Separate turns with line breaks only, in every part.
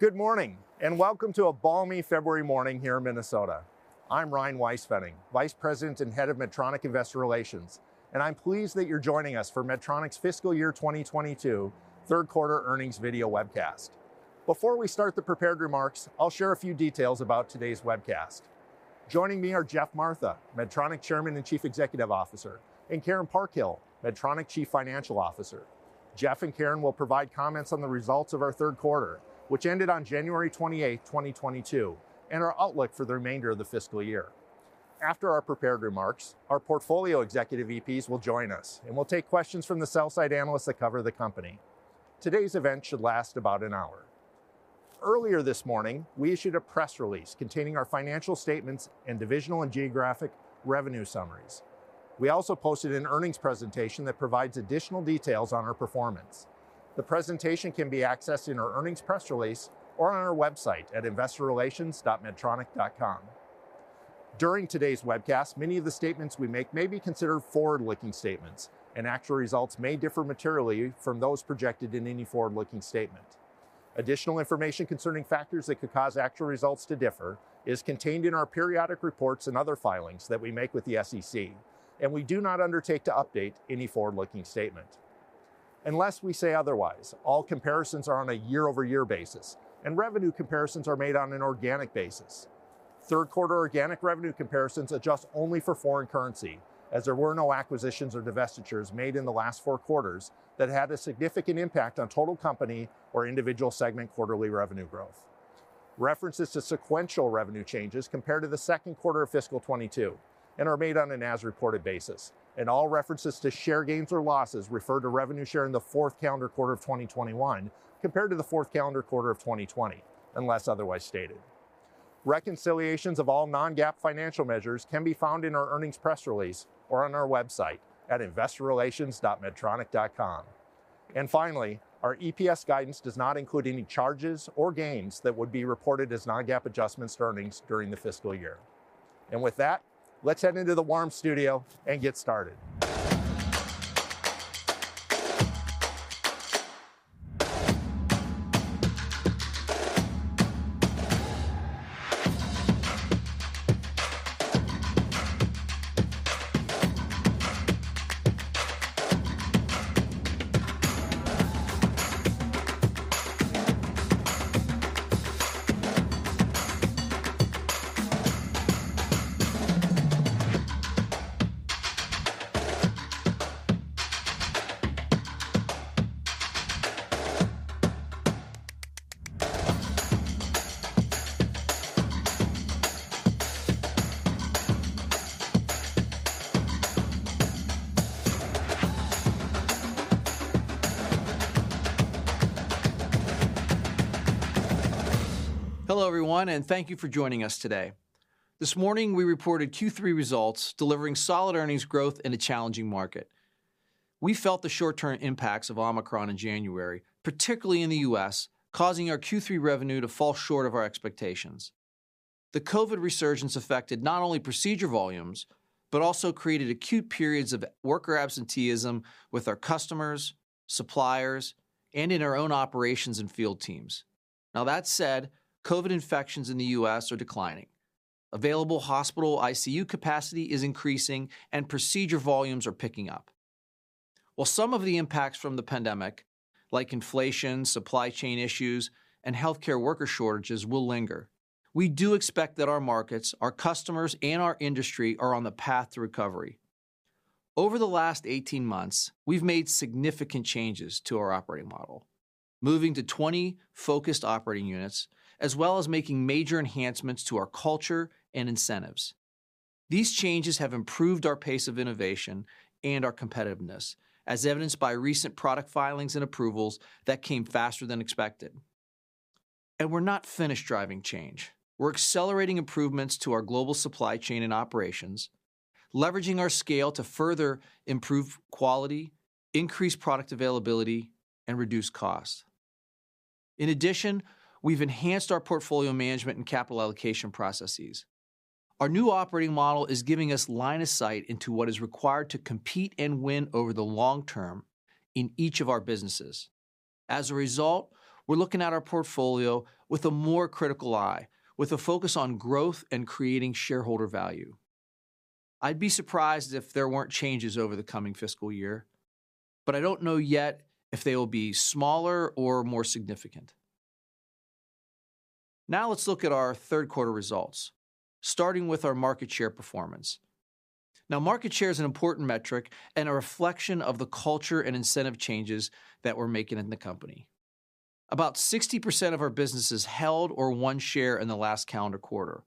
Good morning, and welcome to a balmy February morning here in Minnesota. I'm Ryan Weispfenning, Vice President and Head of Medtronic Investor Relations, and I'm pleased that you're joining us for Medtronic's Fiscal Year 2022 Third Quarter Earnings Video Webcast. Before we start the prepared remarks, I'll share a few details about today's webcast. Joining me are Geoff Martha, Medtronic Chairman and Chief Executive Officer, and Karen Parkhill, Medtronic Chief Financial Officer. Geoff and Karen will provide comments on the results of our third quarter, which ended on January 28, 2022, and our outlook for the remainder of the fiscal year. After our prepared remarks, our portfolio executive VPs will join us, and we'll take questions from the sell-side analysts that cover the company. Today's event should last about an hour. Earlier this morning, we issued a press release containing our financial statements and divisional and geographic revenue summaries. We also posted an earnings presentation that provides additional details on our performance. The presentation can be accessed in our earnings press release or on our website at investorrelations.medtronic.com. During today's webcast, many of the statements we make may be considered forward-looking statements, and actual results may differ materially from those projected in any forward-looking statement. Additional information concerning factors that could cause actual results to differ is contained in our periodic reports and other filings that we make with the SEC, and we do not undertake to update any forward-looking statement. Unless we say otherwise, all comparisons are on a year-over-year basis, and revenue comparisons are made on an organic basis. Third quarter organic revenue comparisons adjust only for foreign currency, as there were no acquisitions or divestitures made in the last four quarters that had a significant impact on total company or individual segment quarterly revenue growth. References to sequential revenue changes compared to the second quarter of fiscal 2022 and are made on an as-reported basis. All references to share gains or losses refer to revenue share in the fourth calendar quarter of 2021 compared to the fourth calendar quarter of 2020, unless otherwise stated. Reconciliations of all non-GAAP financial measures can be found in our earnings press release or on our website at investorrelations.medtronic.com. Finally, our EPS guidance does not include any charges or gains that would be reported as non-GAAP adjustments to earnings during the fiscal year. With that, let's head into the warm studio and get started.
Hello, everyone, and thank you for joining us today. This morning we reported Q3 results delivering solid earnings growth in a challenging market. We felt the short-term impacts of Omicron in January, particularly in the U.S., causing our Q3 revenue to fall short of our expectations. The COVID resurgence affected not only procedure volumes, but also created acute periods of worker absenteeism with our customers, suppliers, and in our own operations and field teams. Now that said, COVID infections in the U.S. are declining. Available hospital ICU capacity is increasing and procedure volumes are picking up. While some of the impacts from the pandemic, like inflation, supply chain issues, and healthcare worker shortages will linger, we do expect that our markets, our customers, and our industry are on the path to recovery. Over the last 18 months, we've made significant changes to our operating model, moving to 20 focused operating units, as well as making major enhancements to our culture and incentives. These changes have improved our pace of innovation and our competitiveness, as evidenced by recent product filings and approvals that came faster than expected. We're not finished driving change. We're accelerating improvements to our global supply chain and operations, leveraging our scale to further improve quality, increase product availability, and reduce costs. In addition, we've enhanced our portfolio management and capital allocation processes. Our new operating model is giving us line of sight into what is required to compete and win over the long term in each of our businesses. As a result, we're looking at our portfolio with a more critical eye, with a focus on growth and creating shareholder value. I'd be surprised if there weren't changes over the coming fiscal year, but I don't know yet if they will be smaller or more significant. Now let's look at our third quarter results, starting with our market share performance. Now, market share is an important metric and a reflection of the culture and incentive changes that we're making in the company. About 60% of our businesses held or won share in the last calendar quarter.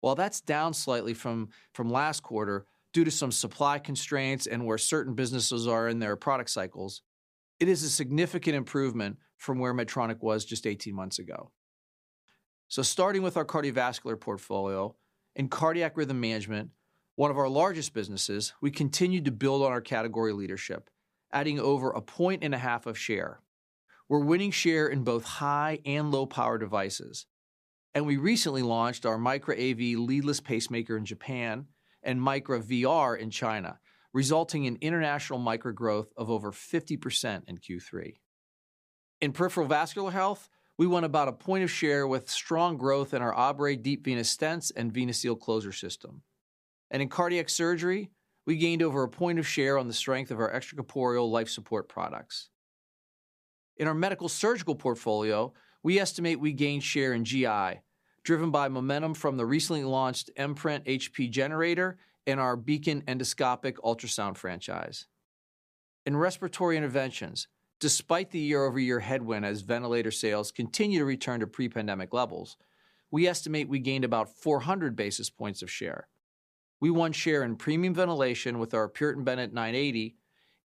While that's down slightly from last quarter due to some supply constraints and where certain businesses are in their product cycles, it is a significant improvement from where Medtronic was just 18 months ago. Starting with our Cardiovascular Portfolio, in Cardiac Rhythm Management, one of our largest businesses, we continued to build on our category leadership, adding over 1.5 points of share. We're winning share in both high and low power devices. We recently launched our Micra AV leadless pacemaker in Japan and Micra VR in China, resulting in international Micra growth of over 50% in Q3. In peripheral vascular health, we won about a point of share with strong growth in our Abre deep venous stents and VenaSeal closure system. In cardiac surgery, we gained over a point of share on the strength of our extracorporeal life support products. In our Medical Surgical Portfolio, we estimate we gained share in GI, driven by momentum from the recently launched Emprint HP generator and our Beacon endoscopic ultrasound franchise. In respiratory interventions, despite the year-over-year headwind as ventilator sales continue to return to pre-pandemic levels, we estimate we gained about 400 basis points of share. We won share in premium ventilation with our Puritan Bennett 980,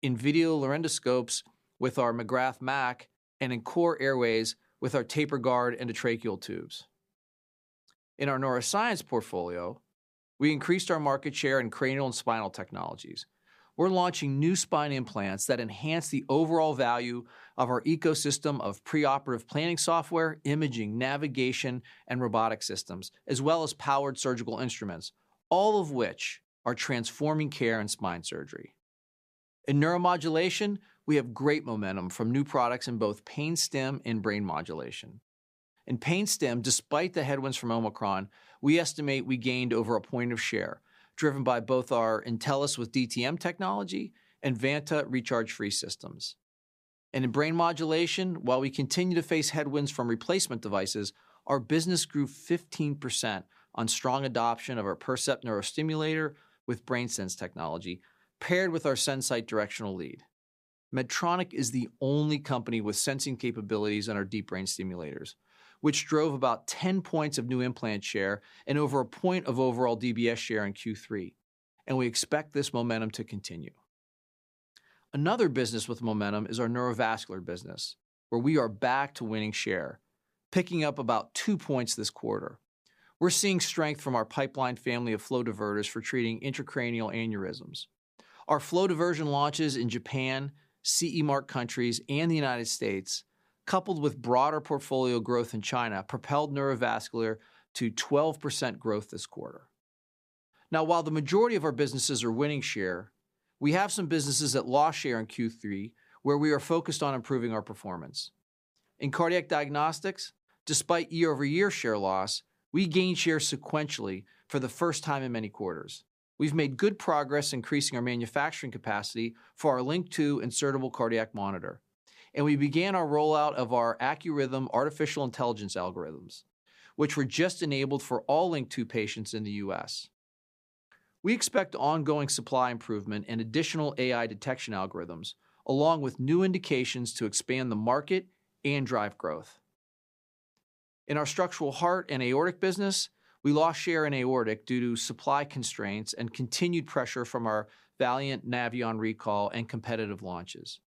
in video laryngoscopes with our McGrath MAC, and in core airways with our TaperGuard endotracheal tubes. In our Neuroscience Portfolio, we increased our market share in cranial and spinal technologies. We're launching new spine implants that enhance the overall value of our ecosystem of preoperative planning software, imaging, navigation, and robotic systems, as well as powered surgical instruments, all of which are transforming care in spine surgery. In neuromodulation, we have great momentum from new products in both pain stim and brain modulation. In pain stim, despite the headwinds from Omicron, we estimate we gained over a point of share, driven by both our Intellis with DTM technology and Vanta recharge-free systems. In brain modulation, while we continue to face headwinds from replacement devices, our business grew 15% on strong adoption of our Percept neurostimulator with BrainSense technology, paired with our SenSight directional lead. Medtronic is the only company with sensing capabilities in our deep brain stimulators, which drove about 10 points of new implant share and over a point of overall DBS share in Q3, and we expect this momentum to continue. Another business with momentum is our neurovascular business, where we are back to winning share, picking up about two points this quarter. We're seeing strength from our Pipeline family of flow diverters for treating intracranial aneurysms. Our flow diversion launches in Japan, CE Mark countries, and the United States, coupled with broader portfolio growth in China, propelled neurovascular to 12% growth this quarter. Now, while the majority of our businesses are winning share, we have some businesses that lost share in Q3, where we are focused on improving our performance. In cardiac diagnostics, despite year-over-year share loss, we gained share sequentially for the first time in many quarters. We've made good progress increasing our manufacturing capacity for our LINQ II insertable cardiac monitor, and we began our rollout of our AccuRhythm artificial intelligence algorithms, which were just enabled for all LINQ II patients in the U.S. We expect ongoing supply improvement and additional AI detection algorithms, along with new indications to expand the market and drive growth. In our structural heart and aortic business, we lost share in aortic due to supply constraints and continued pressure from our Valiant Navion recall and competitive launches.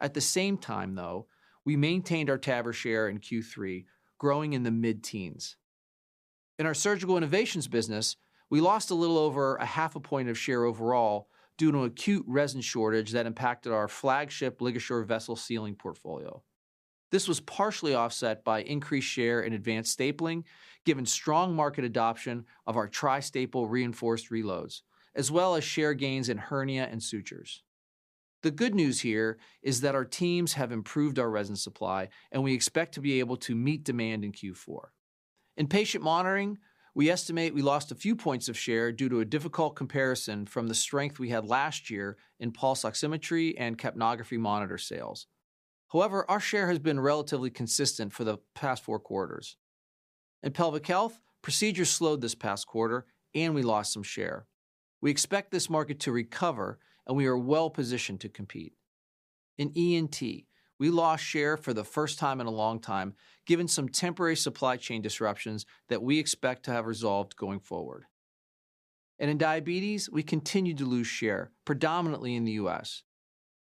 At the same time, though, we maintained our TAVR share in Q3, growing in the mid-teens. In our surgical innovations business, we lost a little over half a point of share overall due to an acute resin shortage that impacted our flagship LigaSure vessel sealing portfolio. This was partially offset by increased share in advanced stapling, given strong market adoption of our Tri-Staple reinforced reloads, as well as share gains in hernia and sutures. The good news here is that our teams have improved our resin supply, and we expect to be able to meet demand in Q4. In patient monitoring, we estimate we lost a few points of share due to a difficult comparison from the strength we had last year in pulse oximetry and capnography monitor sales. However, our share has been relatively consistent for the past four quarters. In pelvic health, procedures slowed this past quarter, and we lost some share. We expect this market to recover, and we are well positioned to compete. In ENT, we lost share for the first time in a long time, given some temporary supply chain disruptions that we expect to have resolved going forward. In diabetes, we continue to lose share, predominantly in the U.S.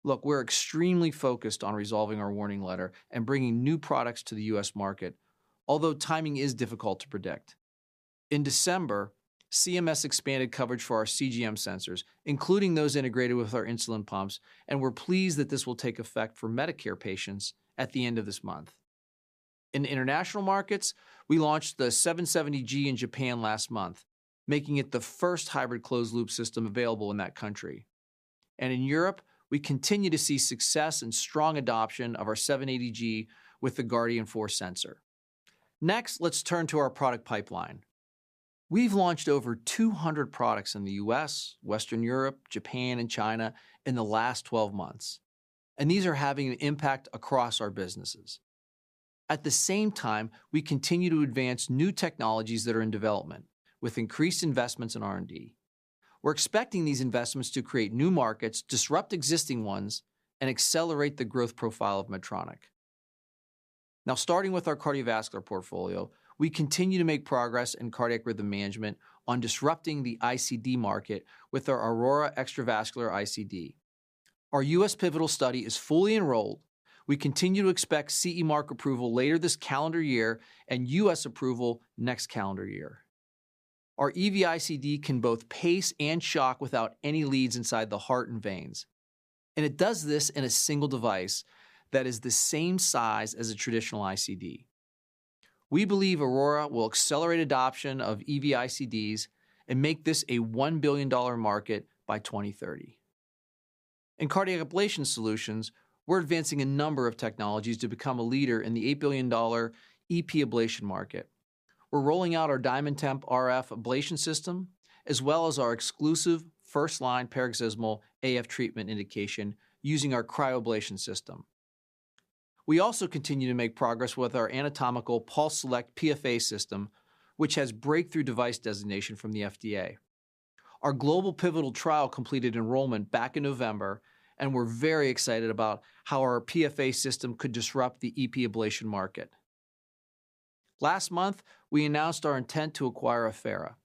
Look, we're extremely focused on resolving our warning letter and bringing new products to the U.S. market, although timing is difficult to predict. In December, CMS expanded coverage for our CGM sensors, including those integrated with our insulin pumps, and we're pleased that this will take effect for Medicare patients at the end of this month. In the international markets, we launched the 770G in Japan last month, making it the first hybrid closed loop system available in that country. In Europe, we continue to see success and strong adoption of our 780G with the Guardian 4 sensor. Next, let's turn to our product pipeline. We've launched over 200 products in the U.S., Western Europe, Japan, and China in the last 12 months, and these are having an impact across our businesses. At the same time, we continue to advance new technologies that are in development with increased investments in R&D. We're expecting these investments to create new markets, disrupt existing ones, and accelerate the growth profile of Medtronic. Now, starting with our Cardiovascular Portfolio, we continue to make progress in cardiac rhythm management on disrupting the ICD market with our Aurora extravascular ICD. Our U.S. pivotal study is fully enrolled. We continue to expect CE mark approval later this calendar year and U.S. approval next calendar year. Our EV-ICD can both pace and shock without any leads inside the heart and veins, and it does this in a single device that is the same size as a traditional ICD. We believe Aurora will accelerate adoption of EV-ICDs and make this a $1 billion market by 2030. In cardiac ablation solutions, we're advancing a number of technologies to become a leader in the $8 billion EP ablation market. We're rolling out our DiamondTemp RF ablation system, as well as our exclusive first-line paroxysmal AF treatment indication using our cryoablation system. We also continue to make progress with our anatomical PulseSelect PFA system, which has breakthrough device designation from the FDA. Our global pivotal trial completed enrollment back in November, and we're very excited about how our PFA system could disrupt the EP ablation market. Last month, we announced our intent to acquire Affera.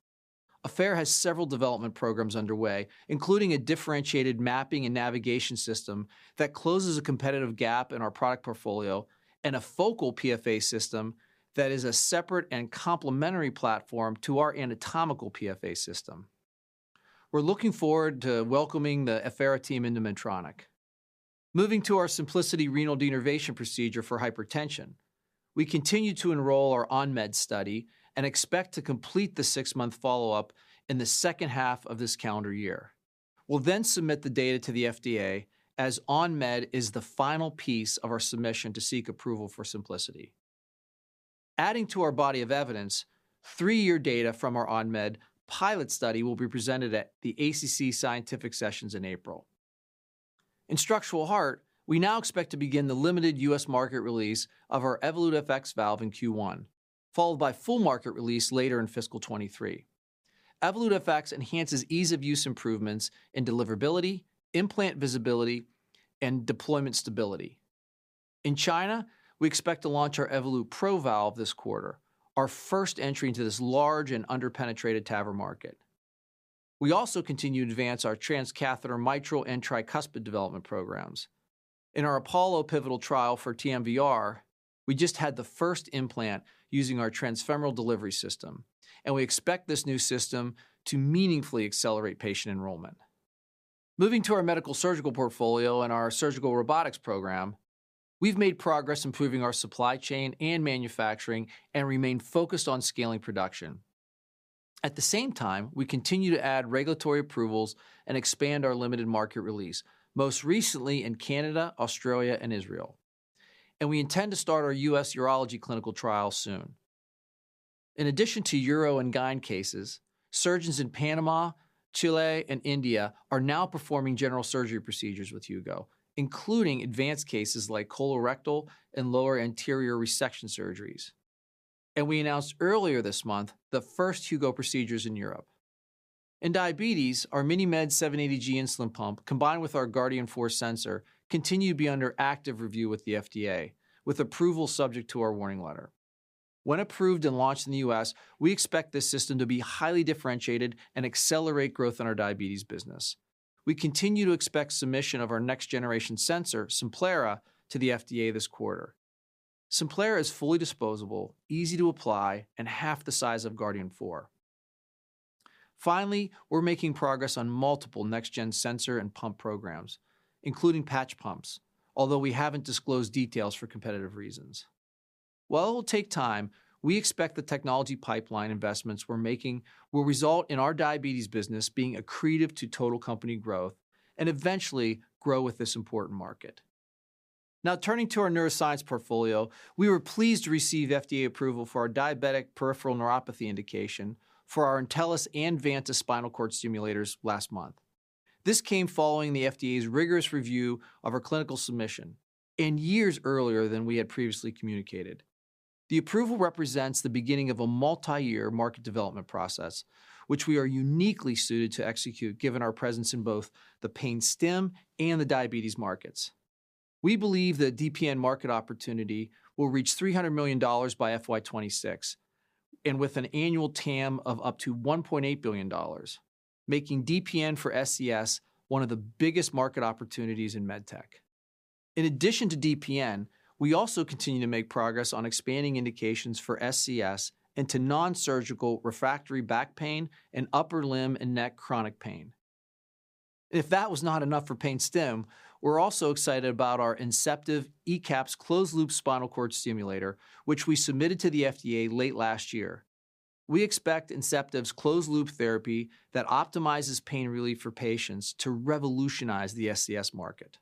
Affera has several development programs underway, including a differentiated mapping and navigation system that closes a competitive gap in our product portfolio and a focal PFA system that is a separate and complementary platform to our anatomical PFA system. We're looking forward to welcoming the Affera team into Medtronic. Moving to our Symplicity renal denervation procedure for hypertension, we continue to enroll our ON MED study and expect to complete the six-month follow-up in the second half of this calendar year. We'll then submit the data to the FDA, as ON MED is the final piece of our submission to seek approval for Symplicity. Adding to our body of evidence, three-year data from our ON MED pilot study will be presented at the ACC Scientific Sessions in April. In structural heart, we now expect to begin the limited U.S. market release of our Evolut FX valve in Q1, followed by full market release later in fiscal 2023. Evolut FX enhances ease-of-use improvements in deliverability, implant visibility, and deployment stability. In China, we expect to launch our Evolut PRO valve this quarter, our first entry into this large and under-penetrated TAVR market. We also continue to advance our transcatheter mitral and tricuspid development programs. In our Apollo pivotal trial for TMVR, we just had the first implant using our transfemoral delivery system, and we expect this new system to meaningfully accelerate patient enrollment. Moving to our Medical Surgical Portfolio and our surgical robotics program, we've made progress improving our supply chain and manufacturing and remain focused on scaling production. At the same time, we continue to add regulatory approvals and expand our limited market release, most recently in Canada, Australia, and Israel, and we intend to start our U.S. urology clinical trial soon. In addition to uro and gyn cases, surgeons in Panama, Chile, and India are now performing general surgery procedures with Hugo, including advanced cases like colorectal and lower anterior resection surgeries. We announced earlier this month the first Hugo procedures in Europe. In diabetes, our MiniMed 780G insulin pump, combined with our Guardian 4 sensor, continue to be under active review with the FDA, with approval subject to our warning letter. When approved and launched in the U.S., we expect this system to be highly differentiated and accelerate growth in our diabetes business. We continue to expect submission of our next-generation sensor, Simplera, to the FDA this quarter. Simplera is fully disposable, easy to apply, and half the size of Guardian 4. Finally, we're making progress on multiple next-gen sensor and pump programs, including patch pumps, although we haven't disclosed details for competitive reasons. While it will take time, we expect the technology pipeline investments we're making will result in our diabetes business being accretive to total company growth and eventually grow with this important market. Now turning to our neuroscience portfolio, we were pleased to receive FDA approval for our diabetic peripheral neuropathy indication for our Intellis and Vanta spinal cord stimulators last month. This came following the FDA's rigorous review of our clinical submission and years earlier than we had previously communicated. The approval represents the beginning of a multi-year market development process, which we are uniquely suited to execute given our presence in both the pain stim and the diabetes markets. We believe the DPN market opportunity will reach $300 million by FY 2026, and with an annual TAM of up to $1.8 billion, making DPN for SCS one of the biggest market opportunities in med tech. In addition to DPN, we also continue to make progress on expanding indications for SCS into non-surgical refractory back pain and upper limb and neck chronic pain. If that was not enough for pain stim, we're also excited about our Inceptiv ECAPs closed-loop spinal cord stimulator, which we submitted to the FDA late last year. We expect Inceptiv's closed loop therapy that optimizes pain relief for patients to revolutionize the SCS market.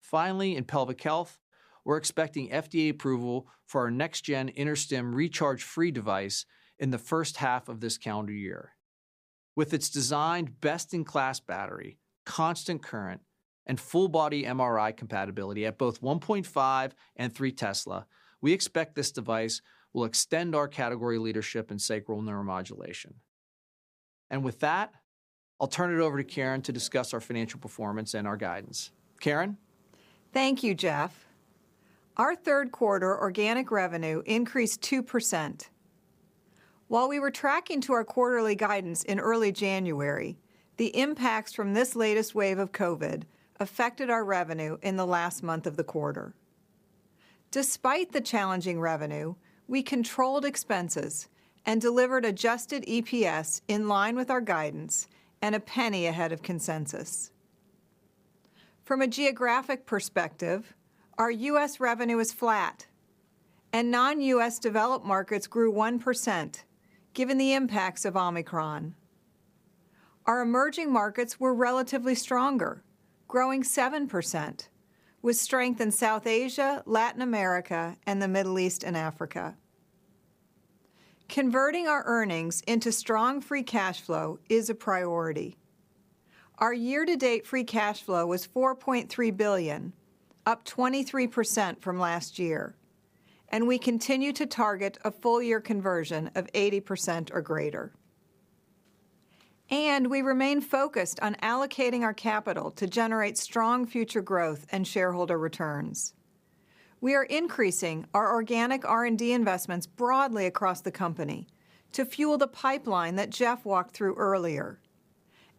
Finally, in pelvic health, we're expecting FDA approval for our next gen InterStim recharge-free device in the first half of this calendar year. With its designed best-in-class battery, constant current, and full body MRI compatibility at both 1.5 T and 3 T, we expect this device will extend our category leadership in sacral neuromodulation. With that, I'll turn it over to Karen to discuss our financial performance and our guidance. Karen?
Thank you, Geoff. Our third quarter organic revenue increased 2%. While we were tracking to our quarterly guidance in early January, the impacts from this latest wave of COVID affected our revenue in the last month of the quarter. Despite the challenging revenue, we controlled expenses and delivered adjusted EPS in line with our guidance and a penny ahead of consensus. From a geographic perspective, our U.S. revenue is flat and non-U.S. developed markets grew 1% given the impacts of Omicron. Our emerging markets were relatively stronger, growing 7%, with strength in South Asia, Latin America, and the Middle East and Africa. Converting our earnings into strong free cash flow is a priority. Our year-to-date free cash flow was $4.3 billion, up 23% from last year, and we continue to target a full year conversion of 80% or greater. We remain focused on allocating our capital to generate strong future growth and shareholder returns. We are increasing our organic R&D investments broadly across the company to fuel the pipeline that Geoff walked through earlier,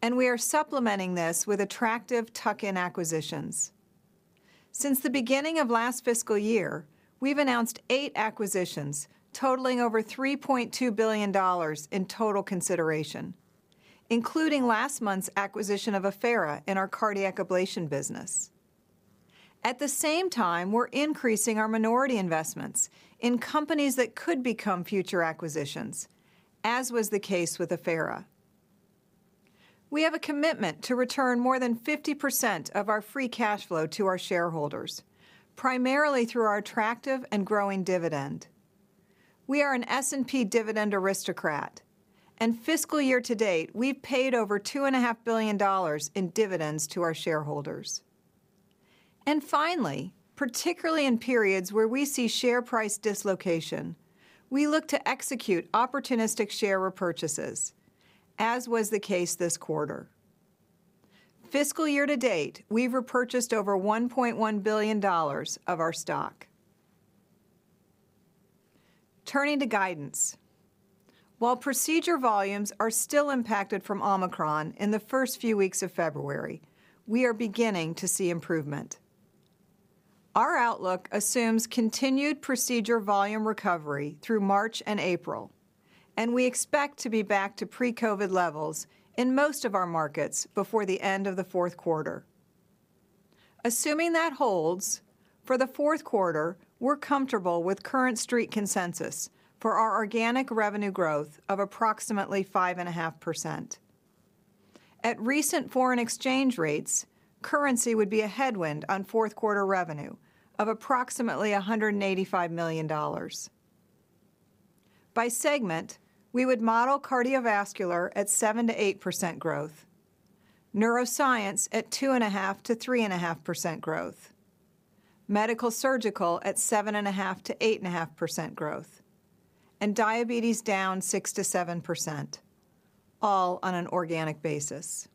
and we are supplementing this with attractive tuck-in acquisitions. Since the beginning of last fiscal year, we've announced eight acquisitions totaling over $3.2 billion in total consideration, including last month's acquisition of Affera in our cardiac ablation business. At the same time, we're increasing our minority investments in companies that could become future acquisitions, as was the case with Affera. We have a commitment to return more than 50% of our free cash flow to our shareholders, primarily through our attractive and growing dividend. We are an S&P dividend aristocrat, and fiscal year to date, we've paid over $2.5 billion in dividends to our shareholders. Finally, particularly in periods where we see share price dislocation, we look to execute opportunistic share repurchases, as was the case this quarter. Fiscal year to date, we've repurchased over $1.1 billion of our stock. Turning to guidance. While procedure volumes are still impacted from Omicron in the first few weeks of February, we are beginning to see improvement. Our outlook assumes continued procedure volume recovery through March and April, and we expect to be back to pre-COVID levels in most of our markets before the end of the fourth quarter. Assuming that holds, for the fourth quarter, we're comfortable with current street consensus for our organic revenue growth of approximately 5.5%. At recent foreign exchange rates, currency would be a headwind on fourth quarter revenue of approximately $185 million. By segment, we would model cardiovascular at 7%-8% growth, neuroscience at 2.5%-3.5% growth, medical surgical at 7.5%-8.5% growth, and diabetes down 6%-7%, all on an organic basis.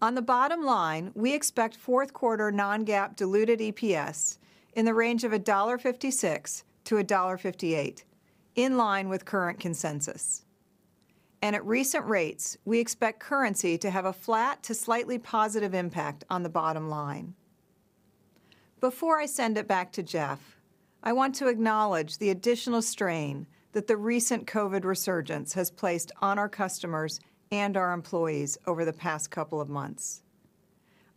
On the bottom line, we expect fourth quarter non-GAAP diluted EPS in the range of $1.56-$1.58, in line with current consensus. At recent rates, we expect currency to have a flat to slightly positive impact on the bottom line. Before I send it back to Geoff, I want to acknowledge the additional strain that the recent COVID resurgence has placed on our customers and our employees over the past couple of months.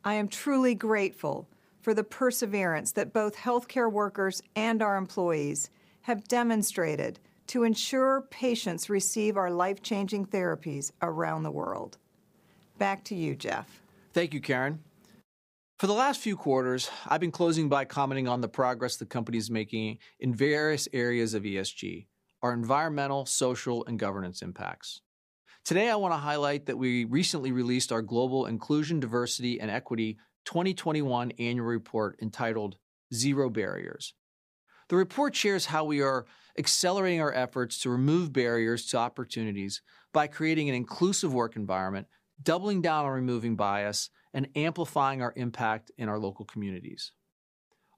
I am truly grateful for the perseverance that both healthcare workers and our employees have demonstrated to ensure patients receive our life-changing therapies around the world. Back to you, Geoff.
Thank you, Karen. For the last few quarters, I've been closing by commenting on the progress the company's making in various areas of ESG, our environmental, social, and governance impacts. Today, I want to highlight that we recently released our Global Inclusion, Diversity, and Equity 2021 annual report entitled Zero Barriers. The report shares how we are accelerating our efforts to remove barriers to opportunities by creating an inclusive work environment, doubling down on removing bias, and amplifying our impact in our local communities.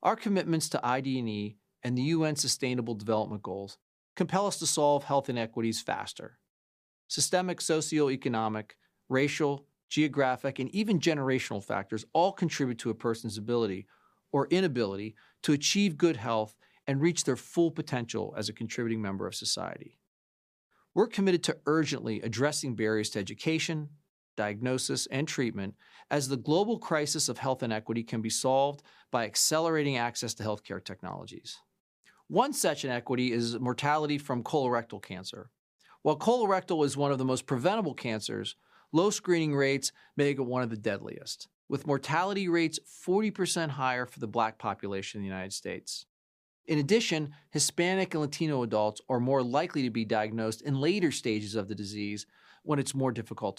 Our commitments to ID&E and the UN Sustainable Development Goals compel us to solve health inequities faster. Systemic, socioeconomic, racial, geographic, and even generational factors all contribute to a person's ability or inability to achieve good health and reach their full potential as a contributing member of society. We're committed to urgently addressing barriers to education, diagnosis, and treatment as the global crisis of health inequity can be solved by accelerating access to healthcare technologies. One such inequity is mortality from colorectal cancer. While colorectal is one of the most preventable cancers, low screening rates make it one of the deadliest, with mortality rates 40% higher for the Black population in the United States. In addition, Hispanic and Latino adults are more likely to be diagnosed in later stages of the disease when it's more difficult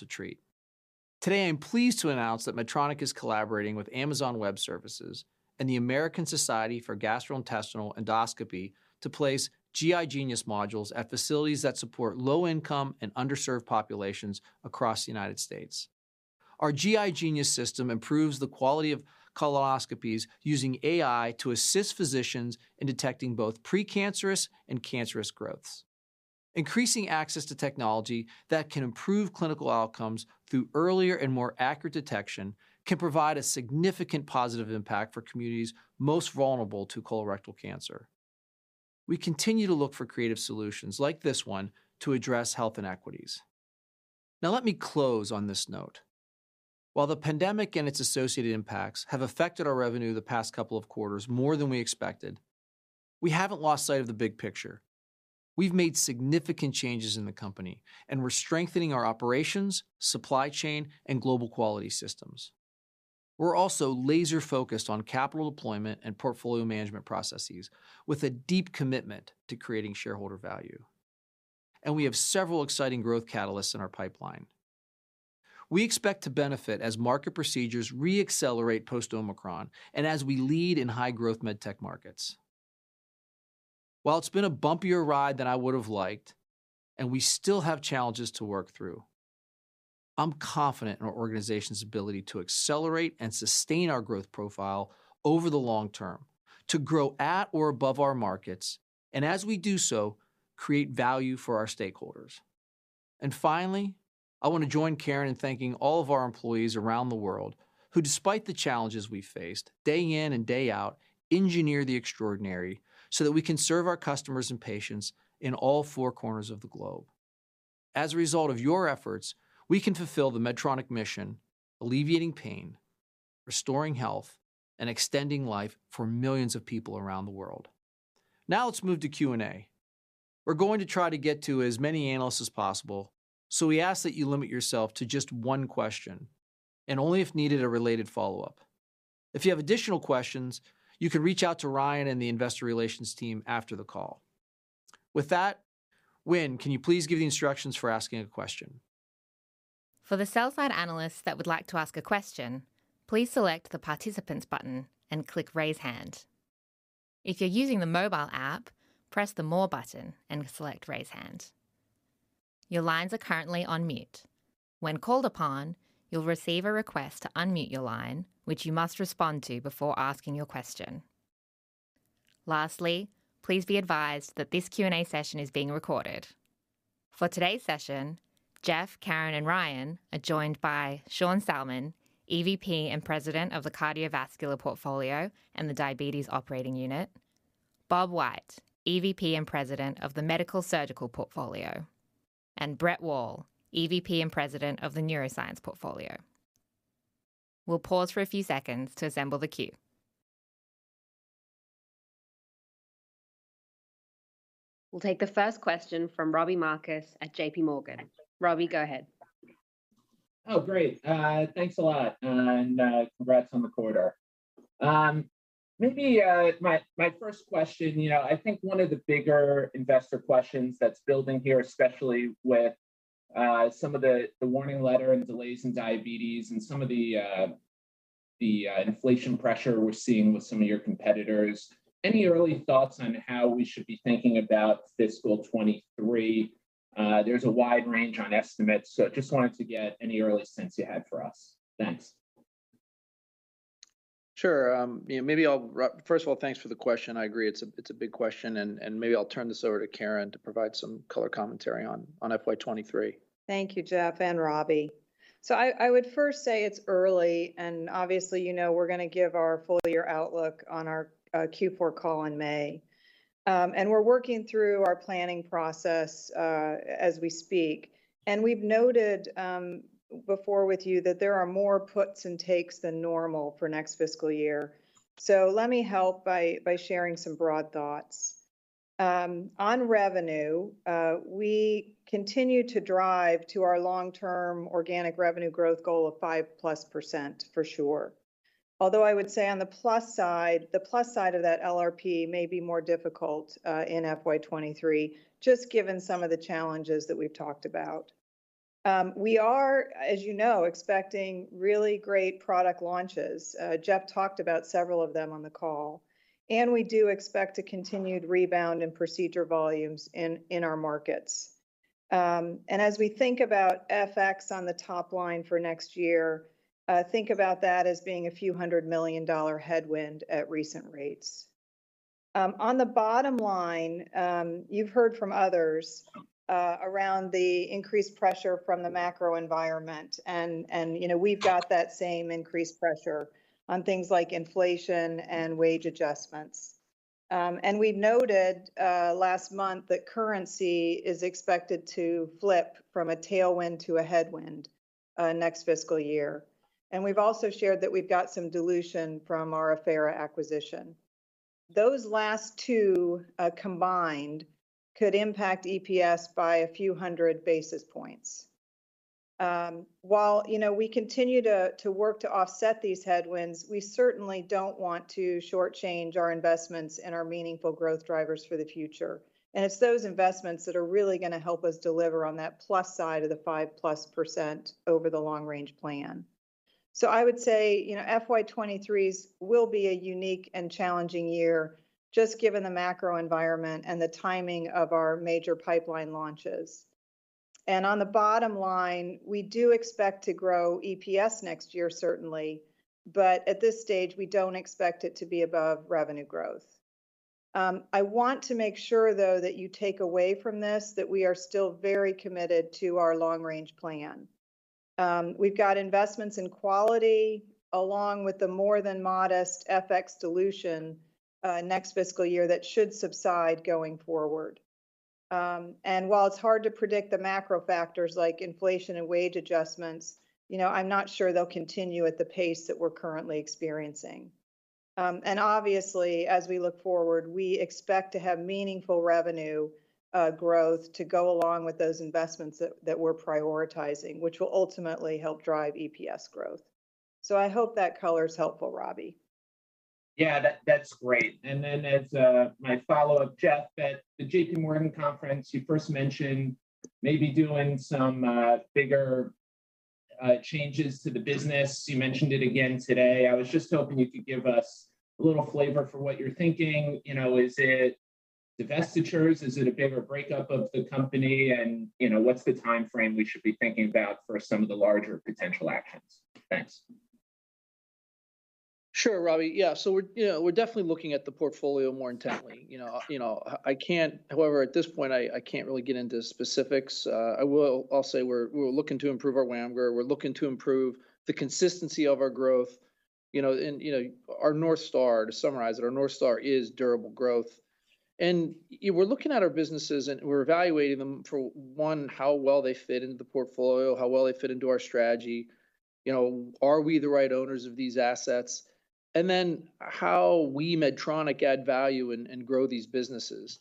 to treat. Today, I'm pleased to announce that Medtronic is collaborating with Amazon Web Services and the American Society for Gastrointestinal Endoscopy to place GI Genius modules at facilities that support low-income and underserved populations across the United States. Our GI Genius system improves the quality of colonoscopies using AI to assist physicians in detecting both precancerous and cancerous growths. Increasing access to technology that can improve clinical outcomes through earlier and more accurate detection can provide a significant positive impact for communities most vulnerable to colorectal cancer. We continue to look for creative solutions like this one to address health inequities. Now, let me close on this note. While the pandemic and its associated impacts have affected our revenue the past couple of quarters more than we expected, we haven't lost sight of the big picture. We've made significant changes in the company, and we're strengthening our operations, supply chain, and global quality systems. We're also laser-focused on capital deployment and portfolio management processes with a deep commitment to creating shareholder value. We have several exciting growth catalysts in our pipeline. We expect to benefit as market procedures re-accelerate post-Omicron and as we lead in high-growth med tech markets. While it's been a bumpier ride than I would have liked, and we still have challenges to work through, I'm confident in our organization's ability to accelerate and sustain our growth profile over the long term to grow at or above our markets, and as we do so, create value for our stakeholders. Finally, I want to join Karen in thanking all of our employees around the world who, despite the challenges we faced, day in and day out engineer the extraordinary so that we can serve our customers and patients in all four corners of the globe. As a result of your efforts, we can fulfill the Medtronic mission, alleviating pain, restoring health, and extending life for millions of people around the world. Now let's move to Q&A. We're going to try to get to as many analysts as possible, so we ask that you limit yourself to just one question and only if needed, a related follow-up. If you have additional questions, you can reach out to Ryan and the investor relations team after the call. With that, Wynne, can you please give the instructions for asking a question?
For the sell-side analysts that would like to ask a question, please select the Participants button and click Raise Hand. If you're using the mobile app, press the More button and select Raise Hand. Your lines are currently on mute. When called upon, you'll receive a request to unmute your line, which you must respond to before asking your question. Lastly, please be advised that this Q&A session is being recorded. For today's session, Geoff, Karen, and Ryan are joined by Sean Salmon, EVP and President of the Cardiovascular Portfolio and the Diabetes Operating Unit, Bob White, EVP and President of the Medical Surgical Portfolio, and Brett Wall, EVP and President of the Neuroscience Portfolio. We'll pause for a few seconds to assemble the queue. We'll take the first question from Robbie Marcus at JP Morgan. Robbie, go ahead.
Oh, great. Thanks a lot and congrats on the quarter. Maybe my first question, you know, I think one of the bigger investor questions that's building here, especially with some of the warning letter and delays in diabetes and some of the inflation pressure we're seeing with some of your competitors. Any early thoughts on how we should be thinking about fiscal 2023? There's a wide range on estimates, so just wanted to get any early sense you had for us. Thanks.
Sure, you know, maybe I'll first of all, thanks for the question. I agree, it's a big question, and maybe I'll turn this over to Karen to provide some color commentary on FY 2023.
Thank you, Geoff and Robbie. I would first say it's early, and obviously, you know we're going to give our full-year outlook on our Q4 call in May. We're working through our planning process as we speak. We've noted before with you that there are more puts and takes than normal for next fiscal year. Let me help by sharing some broad thoughts. On revenue, we continue to drive to our long-term organic revenue growth goal of 5%+, for sure. Although I would say on the plus side of that LRP may be more difficult in FY 2023, just given some of the challenges that we've talked about. We are, as you know, expecting really great product launches. Geoff talked about several of them on the call. We do expect a continued rebound in procedure volumes in our markets. As we think about FX on the top line for next year, think about that as being a few hundred million headwind at recent rates. On the bottom line, you've heard from others around the increased pressure from the macro environment, and you know, we've got that same increased pressure on things like inflation and wage adjustments. We noted last month that currency is expected to flip from a tailwind to a headwind next fiscal year. We've also shared that we've got some dilution from our Affera acquisition. Those last two combined could impact EPS by a few hundred basis points. While, you know, we continue to work to offset these headwinds, we certainly don't want to shortchange our investments and our meaningful growth drivers for the future. It's those investments that are really gonna help us deliver on that plus side of the 5%+ over the long-range plan. I would say, you know, FY 2023 will be a unique and challenging year just given the macro environment and the timing of our major pipeline launches. On the bottom line, we do expect to grow EPS next year, certainly. At this stage, we don't expect it to be above revenue growth. I want to make sure, though, that you take away from this that we are still very committed to our long-range plan. We've got investments in quality along with the more than modest FX dilution next fiscal year that should subside going forward. While it's hard to predict the macro factors like inflation and wage adjustments, you know, I'm not sure they'll continue at the pace that we're currently experiencing. Obviously, as we look forward, we expect to have meaningful revenue growth to go along with those investments that we're prioritizing, which will ultimately help drive EPS growth. I hope that color's helpful, Robbie.
Yeah. That's great. Then as my follow-up, Geoff, at the JPMorgan conference, you first mentioned maybe doing some bigger changes to the business. You mentioned it again today. I was just hoping you could give us a little flavor for what you're thinking. You know, is it divestitures? Is it a bigger breakup of the company? You know, what's the timeframe we should be thinking about for some of the larger potential actions? Thanks.
Sure, Robbie. Yeah. We're, you know, definitely looking at the portfolio more intently. You know, however, at this point, I can't really get into specifics. I'll say we're looking to improve our WAMGR. We're looking to improve the consistency of our growth. You know, our North Star, to summarize it, our North Star is durable growth. We're looking at our businesses, and we're evaluating them for, one, how well they fit into the portfolio, how well they fit into our strategy. You know, are we the right owners of these assets? How we, Medtronic, add value and grow these businesses.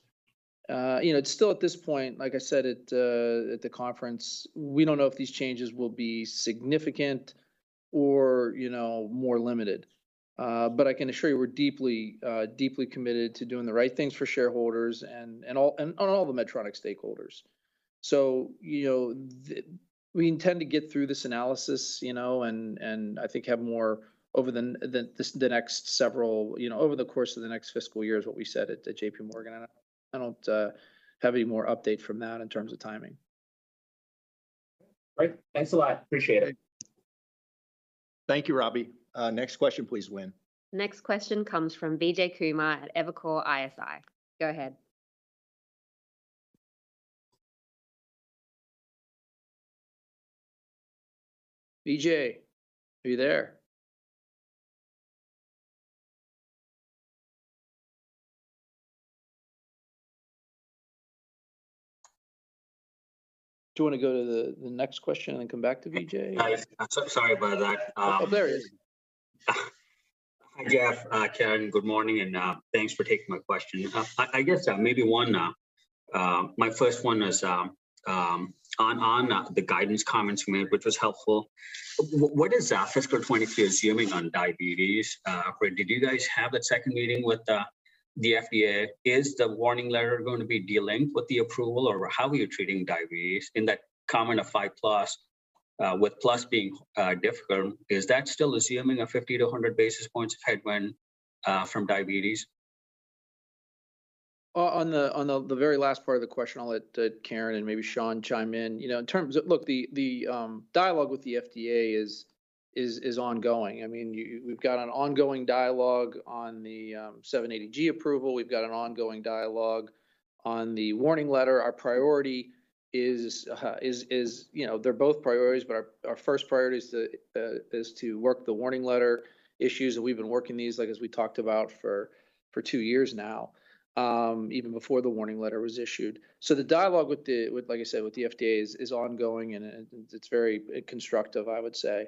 You know, it's still at this point, like I said at the conference, we don't know if these changes will be significant or, you know, more limited. I can assure you we're deeply committed to doing the right things for shareholders and on all the Medtronic stakeholders. You know, we intend to get through this analysis, you know, and I think have more over the next several, you know, over the course of the next fiscal year is what we said at the JPMorgan. I don't have any more update from that in terms of timing.
Great. Thanks a lot. Appreciate it.
Thank you.
Thank you, Robbie. Next question please, Wynne.
Next question comes from Vijay Kumar at Evercore ISI. Go ahead.
Vijay, are you there? Do you wanna go to the next question and then come back to Vijay? Or-
I'm so sorry about that.
Oh, there he is.
Hi, Geoff, Karen. Good morning, and thanks for taking my question. I guess maybe one. My first one is on the guidance comments you made, which was helpful. What is FY 2023 assuming on diabetes? Did you guys have that second meeting with the FDA? Is the warning letter going to be delinked with the approval, or how are you treating diabetes in that comment of five plus, with plus being difficult? Is that still assuming a 50-100 basis points of headwind from diabetes?
On the very last part of the question, I'll let Karen and maybe Sean chime in. You know, in terms of, look, the dialogue with the FDA is ongoing. I mean, we've got an ongoing dialogue on the 780G approval. We've got an ongoing dialogue on the warning letter. Our priority is, you know, they're both priorities, but our first priority is to work the warning letter issues that we've been working these, like as we talked about for two years now, even before the warning letter was issued. The dialogue with, like I said, with the FDA is ongoing, and it's very constructive, I would say.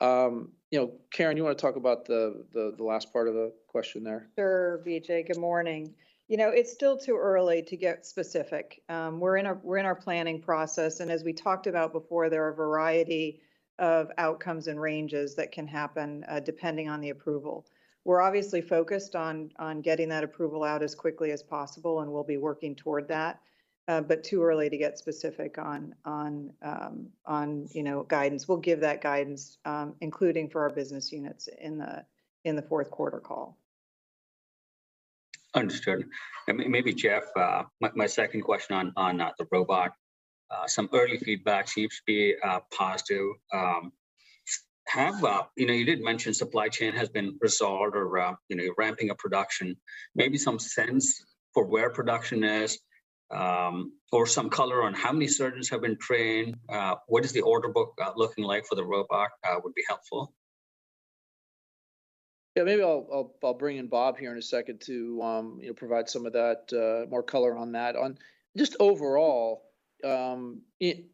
You know, Karen, you wanna talk about the last part of the question there?
Sure, Vijay. Good morning. You know, it's still too early to get specific. We're in our planning process, and as we talked about before, there are a variety of outcomes and ranges that can happen depending on the approval. We're obviously focused on getting that approval out as quickly as possible, and we'll be working toward that. But too early to get specific on you know, guidance. We'll give that guidance, including for our business units in the fourth quarter call.
Understood. Maybe, Geoff, my second question on the robot. Some early feedback seems to be positive. You know, you did mention supply chain has been resolved or, you know, you're ramping up production. Maybe some sense for where production is, or some color on how many surgeons have been trained, what is the order book looking like for the robot, would be helpful.
Maybe I'll bring in Bob here in a second to provide some of that more color on that. Overall, we're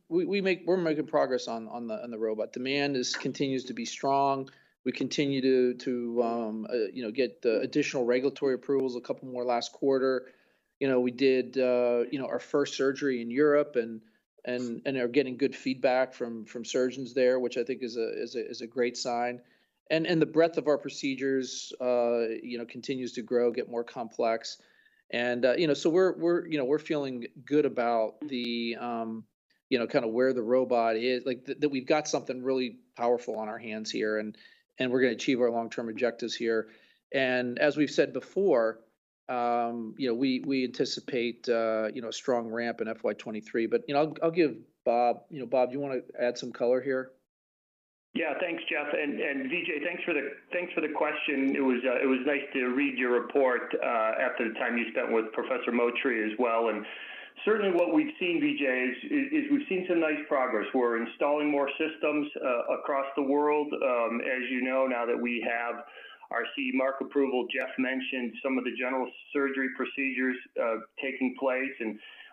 making progress on the robot. Demand continues to be strong. We continue to get the additional regulatory approvals, a couple more last quarter. You know, we did our first surgery in Europe and are getting good feedback from surgeons there, which I think is a great sign. The breadth of our procedures you know continues to grow, get more complex. You know, we're feeling good about where the robot is. Like that we've got something really powerful on our hands here, and we're gonna achieve our long-term objectives here. As we've said before, you know, we anticipate, you know, strong ramp in FY 2023. You know, I'll give Bob. You know, Bob, do you wanna add some color here?
Yeah. Thanks, Geoff. And Vijay, thanks for the question. It was nice to read your report after the time you spent with Professor Mottrie as well. Certainly what we've seen, Vijay, is we've seen some nice progress. We're installing more systems across the world. As you know, now that we have our CE mark approval, Geoff mentioned some of the general surgery procedures taking place.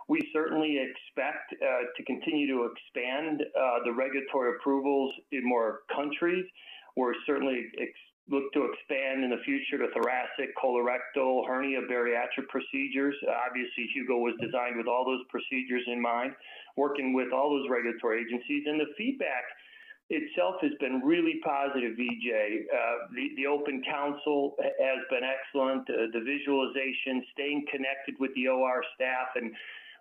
We certainly expect to continue to expand the regulatory approvals in more countries. We're certainly looking to expand in the future to thoracic, colorectal, hernia, bariatric procedures. Obviously, Hugo was designed with all those procedures in mind, working with all those regulatory agencies. The feedback itself has been really positive, Vijay. The open console has been excellent. The visualization, staying connected with the OR staff.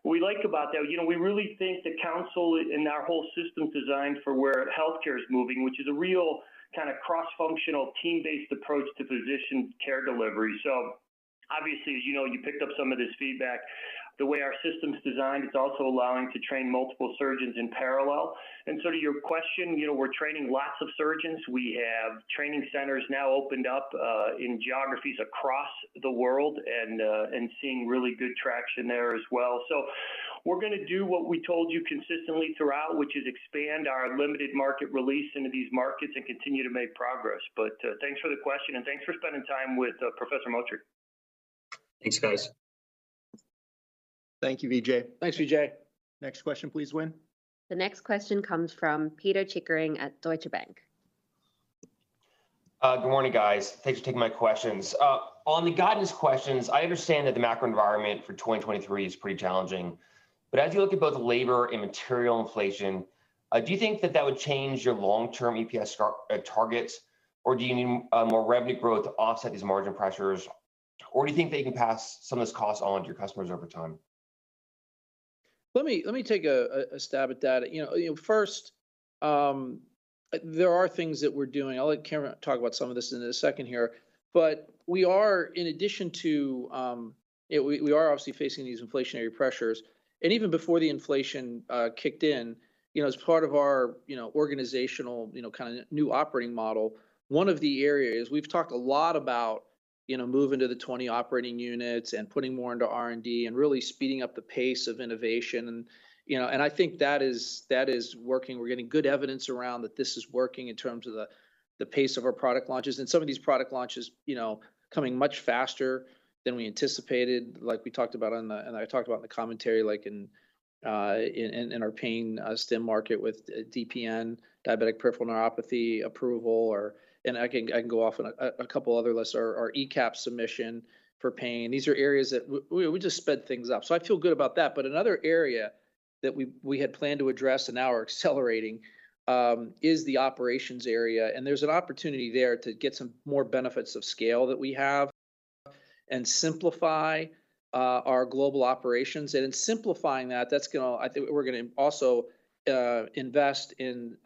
What we like about that, you know, we really think the console and our whole system's designed for where healthcare is moving, which is a real kind of cross-functional team-based approach to physician care delivery. Obviously, as you know, you picked up some of this feedback. The way our system's designed, it's also allowing to train multiple surgeons in parallel. To your question, you know, we're training lots of surgeons. We have training centers now opened up in geographies across the world and seeing really good traction there as well. We're gonna do what we told you consistently throughout, which is expand our limited market release into these markets and continue to make progress. Thanks for the question, and thanks for spending time with Professor Mottrie.
Thanks, guys.
Thank you, Vijay.
Thanks, Vijay. Next question, please, Wynne.
The next question comes from Pito Chickering at Deutsche Bank.
Good morning, guys. Thanks for taking my questions. On the guidance questions, I understand that the macro environment for 2023 is pretty challenging. As you look at both labor and material inflation, do you think that would change your long-term EPS targets, or do you need more revenue growth to offset these margin pressures, or do you think that you can pass some of this cost on to your customers over time?
Let me take a stab at that. First, there are things that we're doing. I'll let Karen talk about some of this in a second here. We are in addition to, we are obviously facing these inflationary pressures. Even before the inflation kicked in, as part of our organizational new operating model, one of the areas we've talked a lot about, moving to the 20 operating units and putting more into R&D and really speeding up the pace of innovation. I think that is working. We're getting good evidence around that this is working in terms of the pace of our product launches, and some of these product launches coming much faster than we anticipated, like we talked about, and I talked about in the commentary, like in our pain stim market with DPN, diabetic peripheral neuropathy approval. I can go off on a couple other lists. Our ECAP submission for pain. These are areas that we just sped things up. I feel good about that. Another area that we had planned to address and now are accelerating is the operations area, and there's an opportunity there to get some more benefits of scale that we have and simplify our global operations. In simplifying that's gonna. I think we're gonna also invest in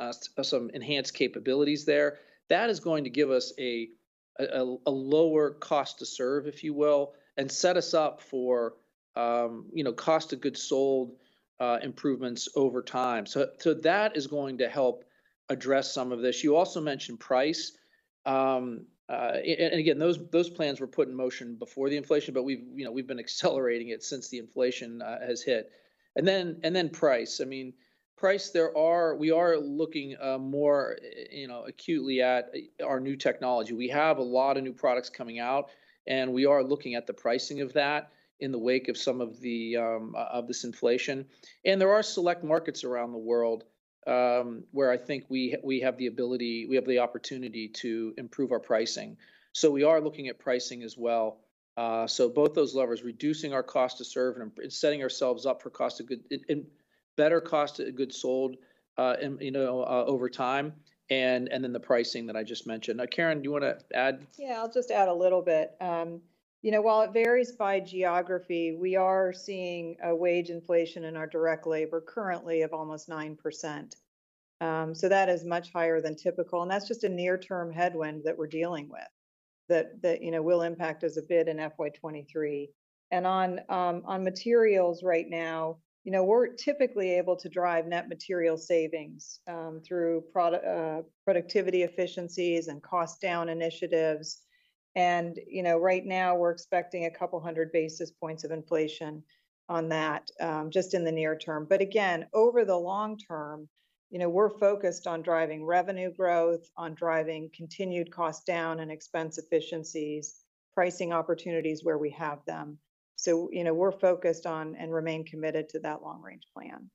some enhanced capabilities there. That is going to give us a lower cost to serve, if you will, and set us up for, you know, cost of goods sold improvements over time. That is going to help address some of this. You also mentioned price. Again, those plans were put in motion before the inflation, but we've, you know, we've been accelerating it since the inflation has hit. Then price. I mean, price. We are looking more, you know, acutely at our new technology. We have a lot of new products coming out, and we are looking at the pricing of that in the wake of some of this inflation. There are select markets around the world, where I think we have the ability, we have the opportunity to improve our pricing. We are looking at pricing as well. Both those levers, reducing our cost to serve and setting ourselves up for cost of good, in better cost of goods sold, you know, over time, and then the pricing that I just mentioned. Now, Karen, do you wanna add?
Yeah, I'll just add a little bit. You know, while it varies by geography, we are seeing a wage inflation in our direct labor currently of almost 9%. So that is much higher than typical, and that's just a near-term headwind that we're dealing with that you know, will impact us a bit in FY 2023. On materials right now, you know, we're typically able to drive net material savings through productivity efficiencies and cost down initiatives. You know, right now we're expecting 200 basis points of inflation on that, just in the near term. Again, over the long term, you know, we're focused on driving revenue growth, on driving continued cost down and expense efficiencies, pricing opportunities where we have them. You know, we're focused on and remain committed to that long range plan.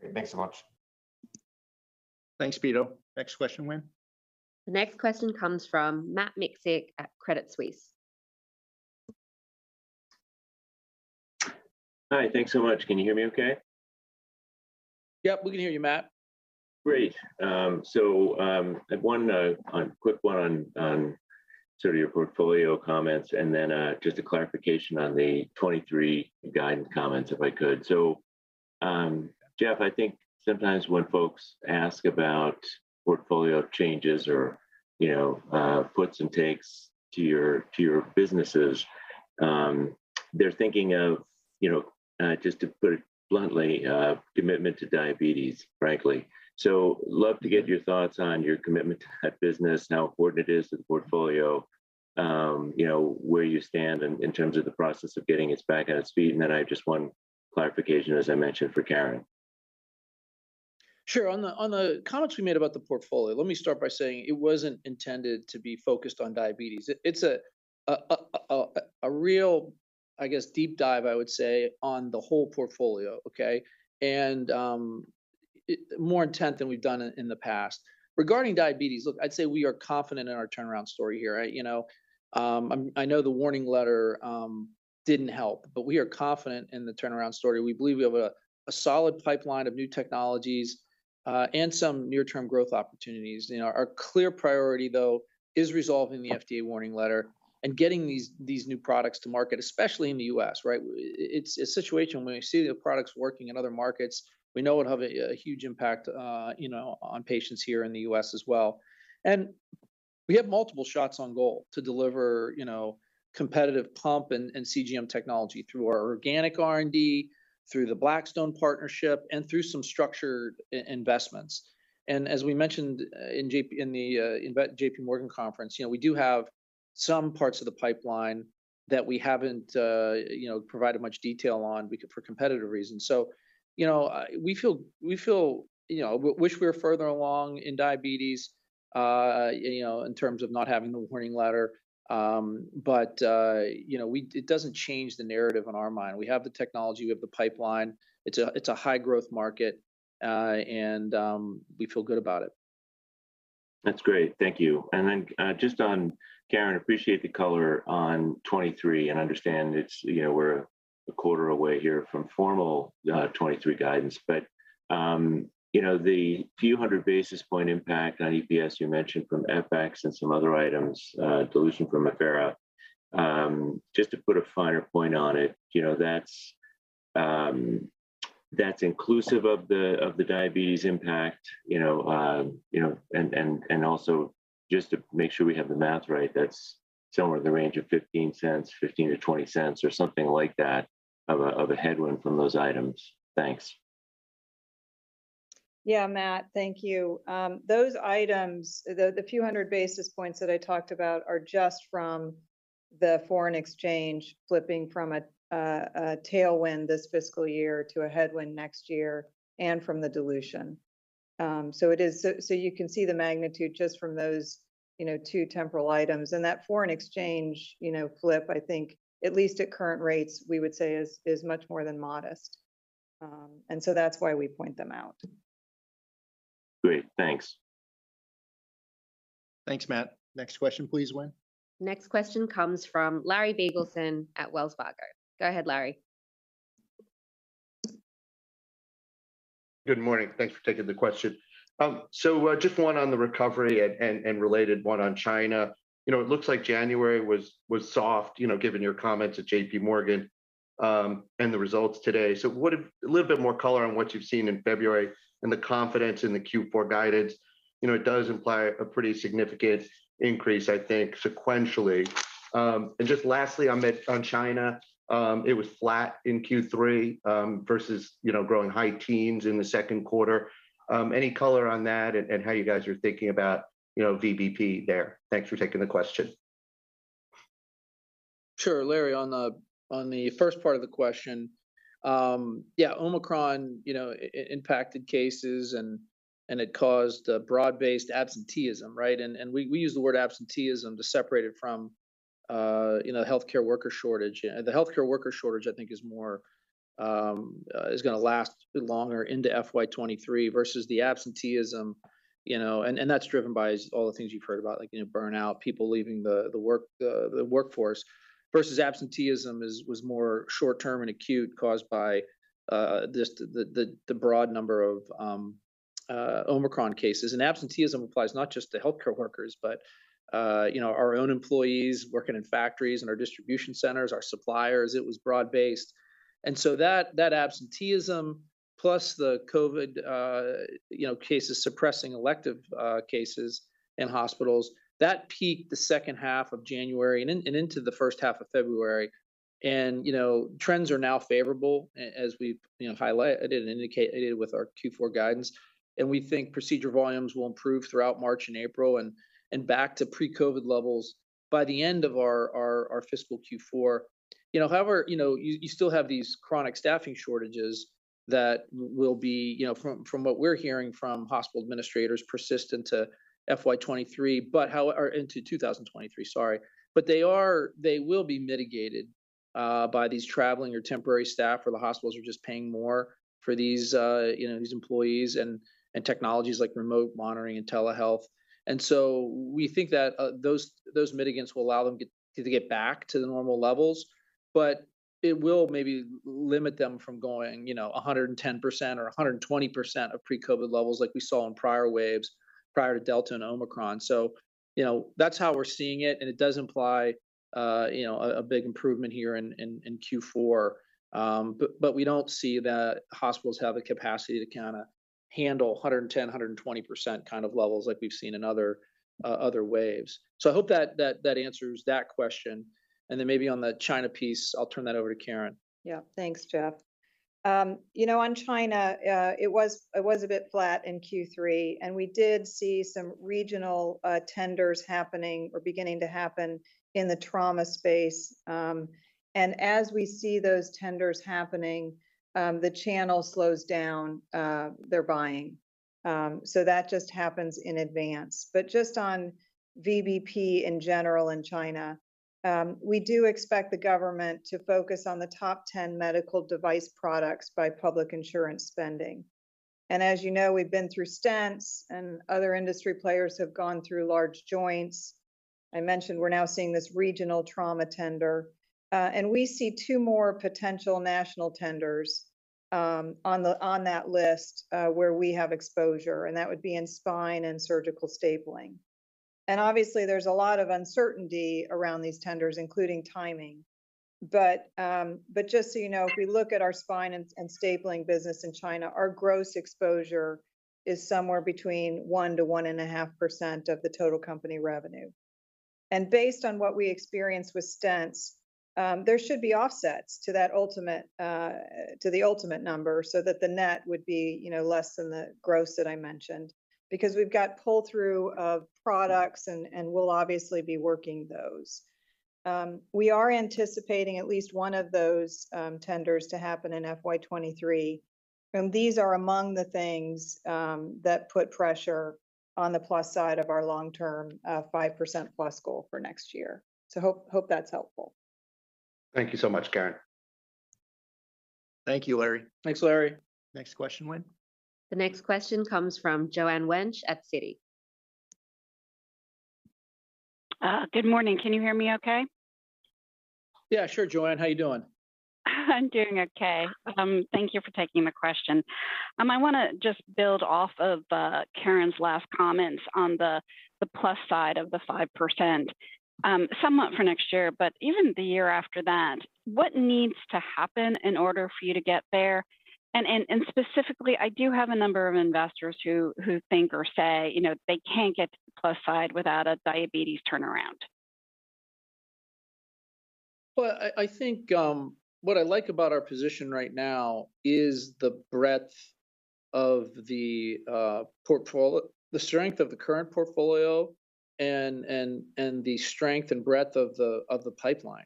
Great. Thanks so much.
Thanks, Pito. Next question, Wynne.
The next question comes from Matt Miksic at Credit Suisse.
Hi. Thanks so much. Can you hear me okay?
Yep, we can hear you, Matt.
Great. I had one quick one on sort of your portfolio comments and then just a clarification on the 2023 guidance comments, if I could. Geoff, I think sometimes when folks ask about portfolio changes or, you know, puts and takes to your businesses, they're thinking of, you know, just to put it bluntly, commitment to diabetes, frankly. Love to get your thoughts on your commitment to that business and how important it is to the portfolio. You know, where you stand in terms of the process of getting it back on its feet. I have just one clarification, as I mentioned, for Karen.
Sure. On the comments we made about the portfolio, let me start by saying it wasn't intended to be focused on diabetes. It's a real, I guess, deep dive, I would say, on the whole portfolio, okay? More intent than we've done in the past. Regarding diabetes, look, I'd say we are confident in our turnaround story here, right? You know, I know the warning letter didn't help, but we are confident in the turnaround story. We believe we have a solid pipeline of new technologies and some near-term growth opportunities. You know, our clear priority though is resolving the FDA warning letter and getting these new products to market, especially in the U.S., right? It's a situation when we see the products working in other markets, we know it'll have a huge impact, you know, on patients here in the U.S. as well. We have multiple shots on goal to deliver, you know, competitive pump and CGM technology through our organic R&D, through the Blackstone partnership, and through some structured investments. As we mentioned, in the JP Morgan conference, you know, we do have some parts of the pipeline that we haven't, you know, provided much detail on for competitive reasons. You know, we feel. You know, wish we were further along in diabetes, you know, in terms of not having the warning letter. You know, it doesn't change the narrative in our mind. We have the technology, we have the pipeline. It's a high-growth market, and we feel good about it.
That's great. Thank you. Just on Karen, appreciate the color on 2023, and understand it's, you know, we're a quarter away here from formal 2023 guidance. You know, the few hundred basis points impact on EPS you mentioned from FX and some other items, dilution from Affera, just to put a finer point on it, you know, that's inclusive of the diabetes impact, you know. Also just to make sure we have the math right, that's somewhere in the range of $0.15, $0.15-$0.20 or something like that of a headwind from those items. Thanks.
Yeah, Matt. Thank you. Those items, the few hundred basis points that I talked about are just from the foreign exchange flipping from a tailwind this fiscal year to a headwind next year and from the dilution. You can see the magnitude just from those, you know, two temporal items. That foreign exchange, you know, flip, I think, at least at current rates, we would say is much more than modest. That's why we point them out.
Great. Thanks.
Thanks, Matt. Next question please, Wynne.
Next question comes from Larry Biegelsen at Wells Fargo. Go ahead, Larry.
Good morning. Thanks for taking the question. Just one on the recovery and a related one on China. You know, it looks like January was soft, you know, given your comments at JPMorgan, and the results today. A little bit more color on what you've seen in February and the confidence in the Q4 guidance. You know, it does imply a pretty significant increase, I think, sequentially. Just lastly on China, it was flat in Q3, versus, you know, growing high teens in the second quarter. Any color on that and how you guys are thinking about, you know, VBP there. Thanks for taking the question.
Sure. Larry, on the first part of the question, Omicron, you know, impacted cases and it caused broad-based absenteeism, right? We use the word absenteeism to separate it from healthcare worker shortage. The healthcare worker shortage, I think, is gonna last a bit longer into FY 2023 versus the absenteeism, you know. That's driven by all the things you've heard about, like, burnout, people leaving the workforce, versus absenteeism was more short-term and acute, caused by this, the broad number of Omicron cases. Absenteeism applies not just to healthcare workers but our own employees working in factories and our distribution centers, our suppliers. It was broad-based. That absenteeism plus the COVID cases suppressing elective cases in hospitals peaked the second half of January and into the first half of February. You know, trends are now favorable as we've, you know, highlighted and indicated with our Q4 guidance. We think procedure volumes will improve throughout March and April and back to pre-COVID levels by the end of our fiscal Q4. You know, however, you still have these chronic staffing shortages that will be, you know, from what we're hearing from hospital administrators, persistent to FY 2023, or into 2023, sorry. They will be mitigated by these traveling or temporary staff, where the hospitals are just paying more for these, you know, these employees and technologies like remote monitoring and telehealth. We think that those mitigants will allow them to get back to the normal levels. It will maybe limit them from going, you know, 110% or 120% of pre-COVID levels like we saw in prior waves prior to Delta and Omicron. That's how we're seeing it, and it does imply a big improvement here in Q4. We don't see that hospitals have the capacity to kinda handle 110%-120% kind of levels like we've seen in other waves. I hope that answers that question. Maybe on the China piece, I'll turn that over to Karen.
Yeah. Thanks, Geoff. You know, on China, it was a bit flat in Q3, and we did see some regional tenders happening or beginning to happen in the trauma space. And as we see those tenders happening, the channel slows down their buying. So that just happens in advance. But just on VBP in general in China, we do expect the government to focus on the top 10 medical device products by public insurance spending. And as you know, we've been through stents, and other industry players have gone through large joints. I mentioned we're now seeing this regional trauma tender. And we see two more potential national tenders on that list where we have exposure, and that would be in spine and surgical stapling. Obviously, there's a lot of uncertainty around these tenders, including timing. But just so you know, if we look at our spine and stapling business in China, our gross exposure is somewhere between 1% and 1.5% of the total company revenue. Based on what we experienced with stents, there should be offsets to that ultimate number so that the net would be, you know, less than the gross that I mentioned because we've got pull-through of products, and we'll obviously be working those. We are anticipating at least one of those tenders to happen in FY 2023. These are among the things that put pressure on the plus side of our long-term 5%+ goal for next year. I hope that's helpful.
Thank you so much, Karen.
Thank you, Larry.
Thanks, Larry. Next question, Wynne.
The next question comes from Joanne Wuensch at Citi.
Good morning. Can you hear me okay?
Yeah, sure, Joanne. How you doing?
I'm doing okay. Thank you for taking my question. I wanna just build off of Karen's last comments on the plus side of the 5%, somewhat for next year, but even the year after that. What needs to happen in order for you to get there? Specifically, I do have a number of investors who think or say, you know, they can't get to the plus side without a diabetes turnaround.
Well, I think what I like about our position right now is the breadth of the strength of the current portfolio and the strength and breadth of the pipeline.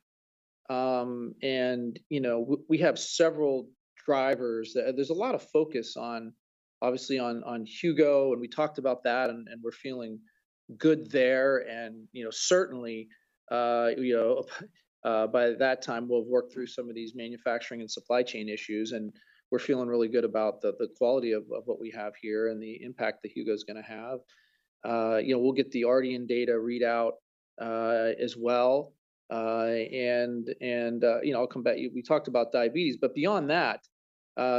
You know we have several drivers. There's a lot of focus on, obviously, on Hugo, and we talked about that, and we're feeling good there. You know certainly you know by that time, we'll have worked through some of these manufacturing and supply chain issues, and we're feeling really good about the quality of what we have here and the impact that Hugo's gonna have. You know we'll get the Ardian data readout as well. You know I'll come back to you. We talked about diabetes, but beyond that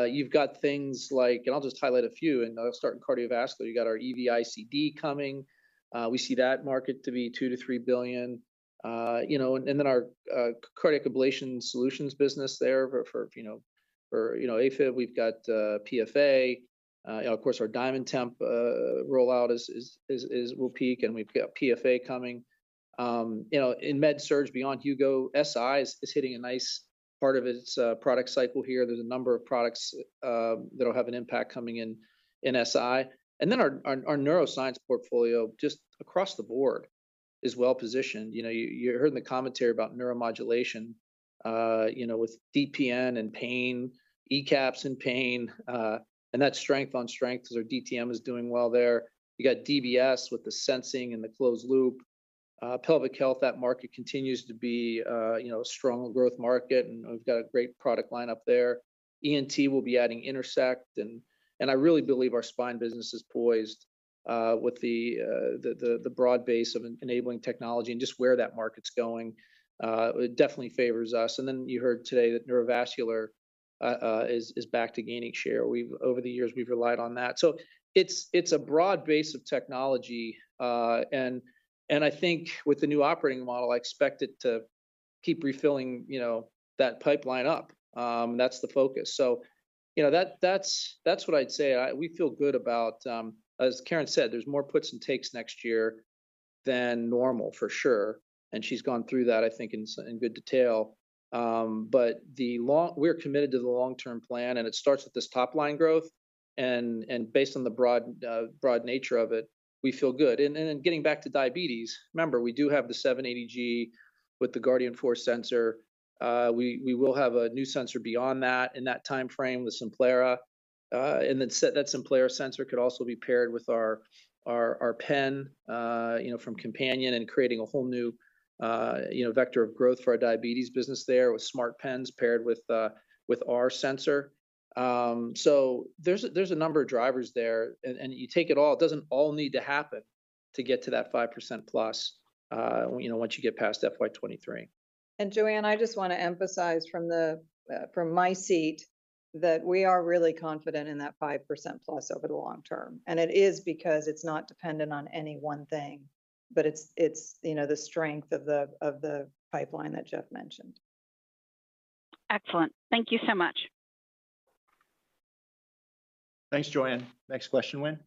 you've got things like. I'll just highlight a few, and I'll start in cardiovascular. You've got our EV-ICD coming. We see that market to be $2 billion-$3 billion. Then our cardiac ablation solutions business there for aFib, we've got PFA. Of course our DiamondTemp rollout will peak, and we've got PFA coming. In med surg beyond Hugo, SI is hitting a nice part of its product cycle here. There's a number of products that'll have an impact coming in SI. Then our neuroscience portfolio just across the board is well-positioned. You know, you heard in the commentary about neuromodulation, you know, with DPN and pain, ECAPs and pain, and that's strength on strength as our DTM is doing well there. You got DBS with the sensing and the closed loop. Pelvic health, that market continues to be, you know, a strong growth market, and we've got a great product line up there. ENT will be adding Intersect, and I really believe our spine business is poised, with the broad base of enabling technology and just where that market's going. It definitely favors us. You heard today that neurovascular is back to gaining share. Over the years, we've relied on that. It's a broad base of technology. I think with the new operating model, I expect it to keep refilling, you know, that pipeline up. That's the focus. You know, that's what I'd say. We feel good about. As Karen said, there's more puts and takes next year than normal for sure, and she's gone through that, I think, in good detail. We're committed to the long-term plan, and it starts with this top line growth. Based on the broad nature of it, we feel good. Getting back to diabetes, remember, we do have the 780G with the Guardian 4 sensor. We will have a new sensor beyond that in that timeframe with Simplera. That Simplera sensor could also be paired with our pen, you know, from Companion and creating a whole new, you know, vector of growth for our diabetes business there with smart pens paired with our sensor. There's a number of drivers there, and you take it all. It doesn't all need to happen to get to that 5%+, you know, once you get past FY 2023.
Joanne, I just wanna emphasize from my seat that we are really confident in that 5%+ over the long term. It is because it's not dependent on any one thing, but it's you know, the strength of the pipeline that Geoff mentioned.
Excellent. Thank you so much.
Thanks, Joanne. Next question, Wynne.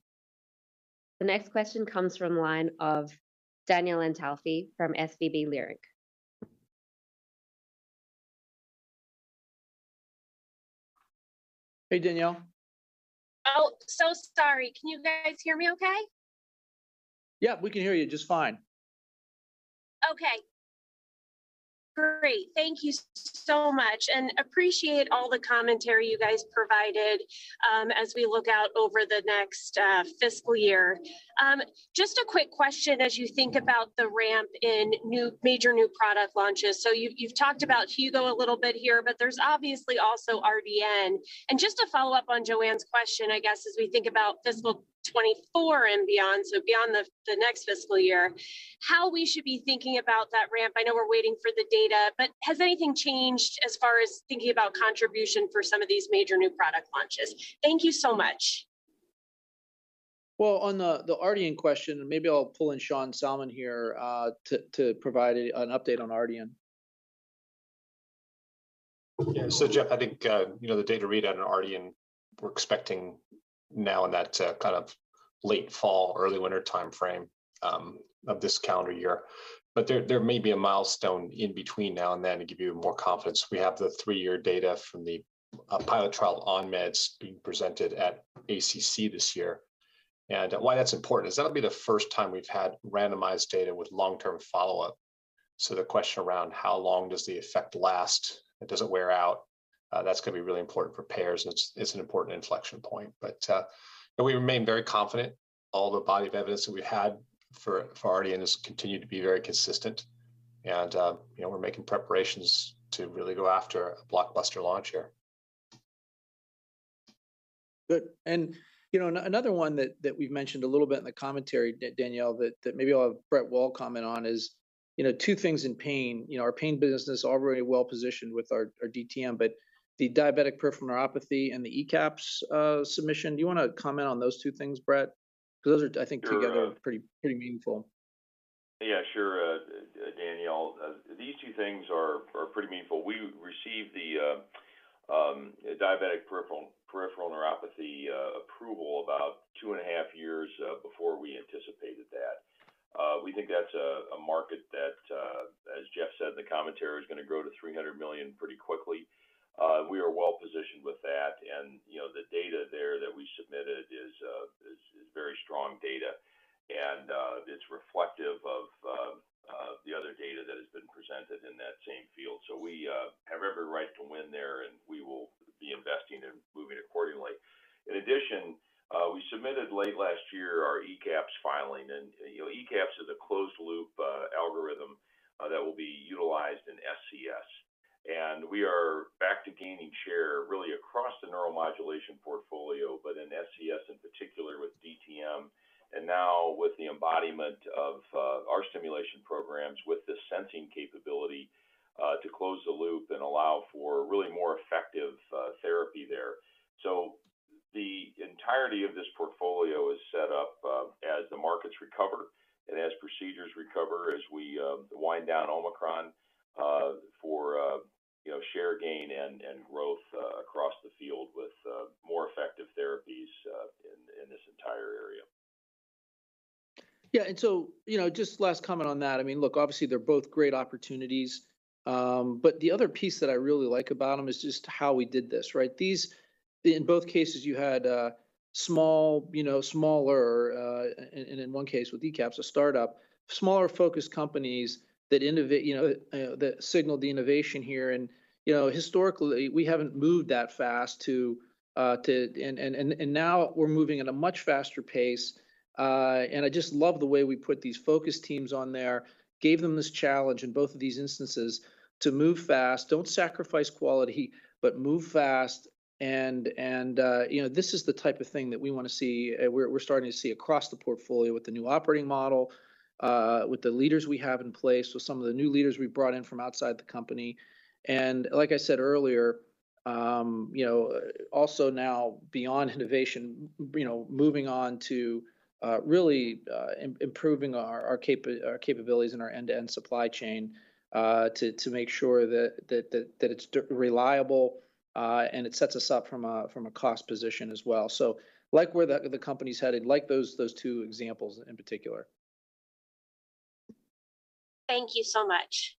The next question comes from the line of Danielle Antalffy from SVB Leerink.
Hey, Danielle.
Oh, sorry. Can you guys hear me okay?
Yeah, we can hear you just fine.
Okay. Great. Thank you so much and appreciate all the commentary you guys provided, as we look out over the next fiscal year. Just a quick question as you think about the ramp in new, major new product launches. You've talked about Hugo a little bit here, but there's obviously also Ardian. Just to follow up on Joanne's question, I guess, as we think about fiscal 2024 and beyond, so beyond the next fiscal year, how we should be thinking about that ramp. I know we're waiting for the data, but has anything changed as far as thinking about contribution for some of these major new product launches? Thank you so much.
Well, on the Ardian question, and maybe I'll pull in Sean Salmon here to provide an update on Ardian.
Yeah. Geoff, I think, you know, the data readout on Ardian we're expecting now in that kind of late fall, early winter timeframe of this calendar year. There may be a milestone in between now and then to give you more confidence. We have the three-year data from the pilot trial on meds being presented at ACC this year. Why that's important is that'll be the first time we've had randomized data with long-term follow-up. The question around how long does the effect last, it doesn't wear out, that's gonna be really important for payers, and it's an important inflection point. You know, we remain very confident in the body of evidence that we had for Ardian has continued to be very consistent. You know, we're making preparations to really go after a blockbuster launch here.
Good. You know, another one that we've mentioned a little bit in the commentary, Danielle, that maybe I'll have Brett Wall comment on is, you know, two things in pain. You know, our pain business is already well-positioned with our DTM, but the diabetic peripheral neuropathy and the ECAPs submission. Do you wanna comment on those two things, Brett? 'Cause those are, I think together-
Sure.
pretty meaningful.
Yeah, sure, Danielle. These two things are pretty meaningful. We received the diabetic peripheral neuropathy approval about 2.5 years before we anticipated that. We think that's a market that, as Geoff said in the commentary, is gonna grow to $300 million pretty quickly. We are well-positioned with that and, you know, the data there that we submitted is very strong data. It's reflective of the other data that has been presented in that same field. We have every right to win there, and we will be investing and moving accordingly. In addition, we submitted late last year our ECAPs filing. You know, ECAPs is a closed loop algorithm that will be utilized in SCS. We are back to gaining share really across the neuromodulation portfolio, but in SCS in particular with DTM. Now with the embodiment of our stimulation programs with the sensing capability to close the loop and allow for really more effective therapy there. The entirety of this portfolio is set up as the markets recover and as procedures recover as we wind down Omicron for you know share gain and growth across the field with more effective therapies in this entire area.
Yeah, you know, just last comment on that. I mean, look, obviously they're both great opportunities. The other piece that I really like about them is just how we did this, right? In both cases you had small, you know, smaller, and in one case with ECAPs, a startup, smaller focused companies that you know, that signaled the innovation here. You know, historically, we haven't moved that fast. Now we're moving at a much faster pace. I just love the way we put these focus teams on there, gave them this challenge in both of these instances to move fast. Don't sacrifice quality, but move fast, you know, this is the type of thing that we wanna see, we're starting to see across the portfolio with the new operating model, with the leaders we have in place, with some of the new leaders we've brought in from outside the company. Like I said earlier, you know, also now beyond innovation, you know, moving on to really improving our capabilities and our end-to-end supply chain to make sure that it's reliable and it sets us up from a cost position as well. Like where the company's headed, those two examples in particular.
Thank you so much.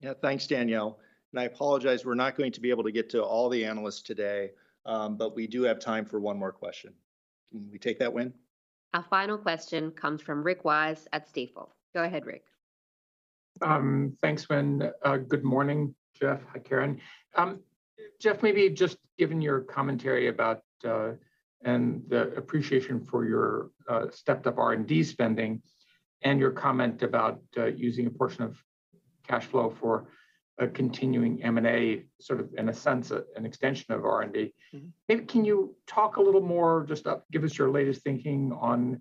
Yeah. Thanks, Danielle. I apologize, we're not going to be able to get to all the analysts today. We do have time for one more question. Can we take that, Wynne?
Our final question comes from Rick Wise at Stifel. Go ahead, Rick.
Thanks, Wynne. Good morning, Geoff. Hi, Karen. Geoff, maybe just given your commentary about, and the appreciation for your, stepped up R&D spending and your comment about, using a portion of cash flow for a continuing M&A, sort of in a sense an extension of R&D
Mm-hmm.
Maybe can you talk a little more, just, give us your latest thinking on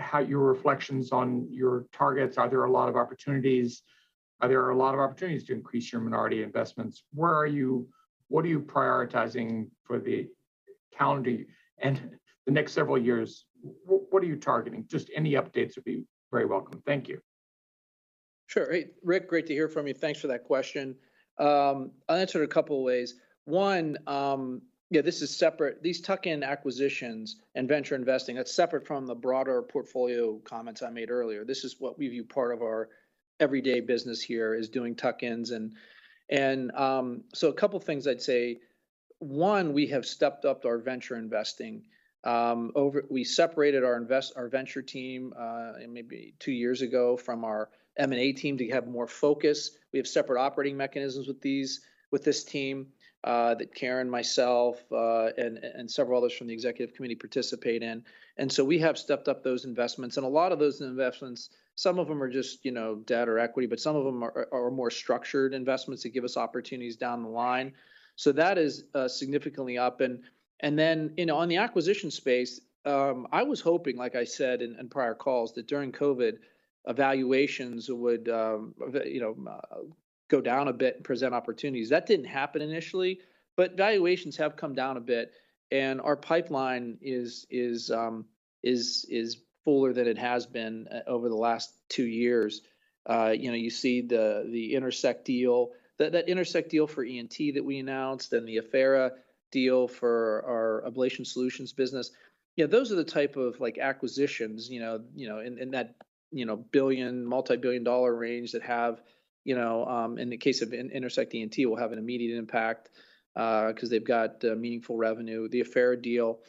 how your reflections on your targets, are there a lot of opportunities to increase your minority investments? Where are you? What are you prioritizing for the calendar and the next several years? What are you targeting? Just any updates would be very welcome. Thank you.
Sure. Hey, Rick, great to hear from you. Thanks for that question. I'll answer it a couple ways. One, yeah, this is separate. These tuck-in acquisitions and venture investing, that's separate from the broader portfolio comments I made earlier. This is what we view part of our everyday business here is doing tuck-ins and. So a couple things I'd say. One, we have stepped up our venture investing. We separated our venture team maybe two years ago from our M&A team to have more focus. We have separate operating mechanisms with these, with this team, that Karen, myself, and several others from the executive committee participate in. We have stepped up those investments. A lot of those investments, some of them are just, you know, debt or equity, but some of them are more structured investments that give us opportunities down the line. That is significantly up. You know, on the acquisition space, I was hoping, like I said in prior calls, that during COVID, valuations would go down a bit and present opportunities. That didn't happen initially, but valuations have come down a bit and our pipeline is fuller than it has been over the last two years. You know, you see the Intersect deal. That Intersect ENT deal for ENT that we announced and the Affera deal for our ablation solutions business, you know, those are the type of, like, acquisitions, you know, in that, you know, billion, multibillion-dollar range that have, you know, in the case of Intersect ENT, will have an immediate impact, 'cause they've got meaningful revenue. The Affera deal,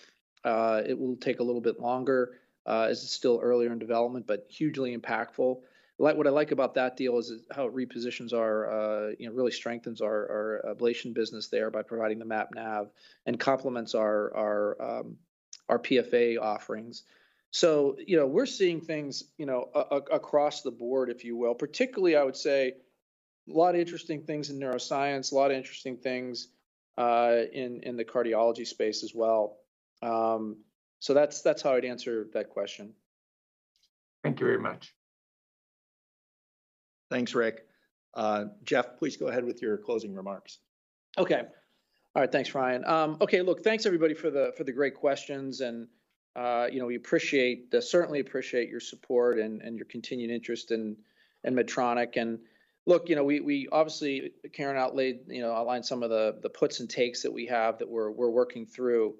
it will take a little bit longer, as it's still earlier in development, but hugely impactful. What I like about that deal is how it repositions our, you know, really strengthens our ablation business there by providing the map nav and complements our, our PFA offerings. You know, we're seeing things, you know, across the board, if you will. Particularly, I would say, a lot of interesting things in neuroscience, a lot of interesting things in the cardiology space as well. That's how I'd answer that question.
Thank you very much.
Thanks, Rick. Geoff, please go ahead with your closing remarks.
Okay. All right. Thanks, Ryan. Okay. Look, thanks everybody for the great questions and, you know, we certainly appreciate your support and your continued interest in Medtronic. Look, you know, we obviously Karen outlined some of the puts and takes that we have that we're working through.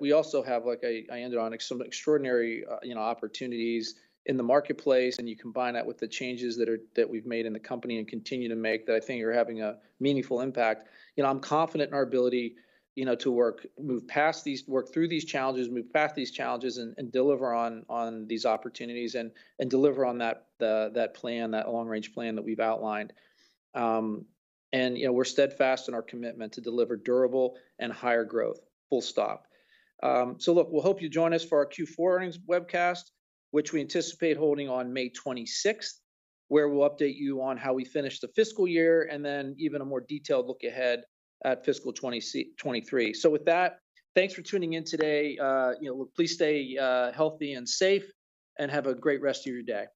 We also have, like, I ended on some extraordinary, you know, opportunities in the marketplace, and you combine that with the changes that we've made in the company and continue to make, that I think are having a meaningful impact. You know, I'm confident in our ability, you know, to work through these challenges and deliver on these opportunities and deliver on that plan, that long-range plan that we've outlined. you know, we're steadfast in our commitment to deliver durable and higher growth, full stop. look, we hope you'll join us for our Q4 earnings webcast, which we anticipate holding on May 26th, where we'll update you on how we finish the fiscal year and then even a more detailed look ahead at fiscal 2023. with that, thanks for tuning in today. you know, please stay healthy and safe, and have a great rest of your day.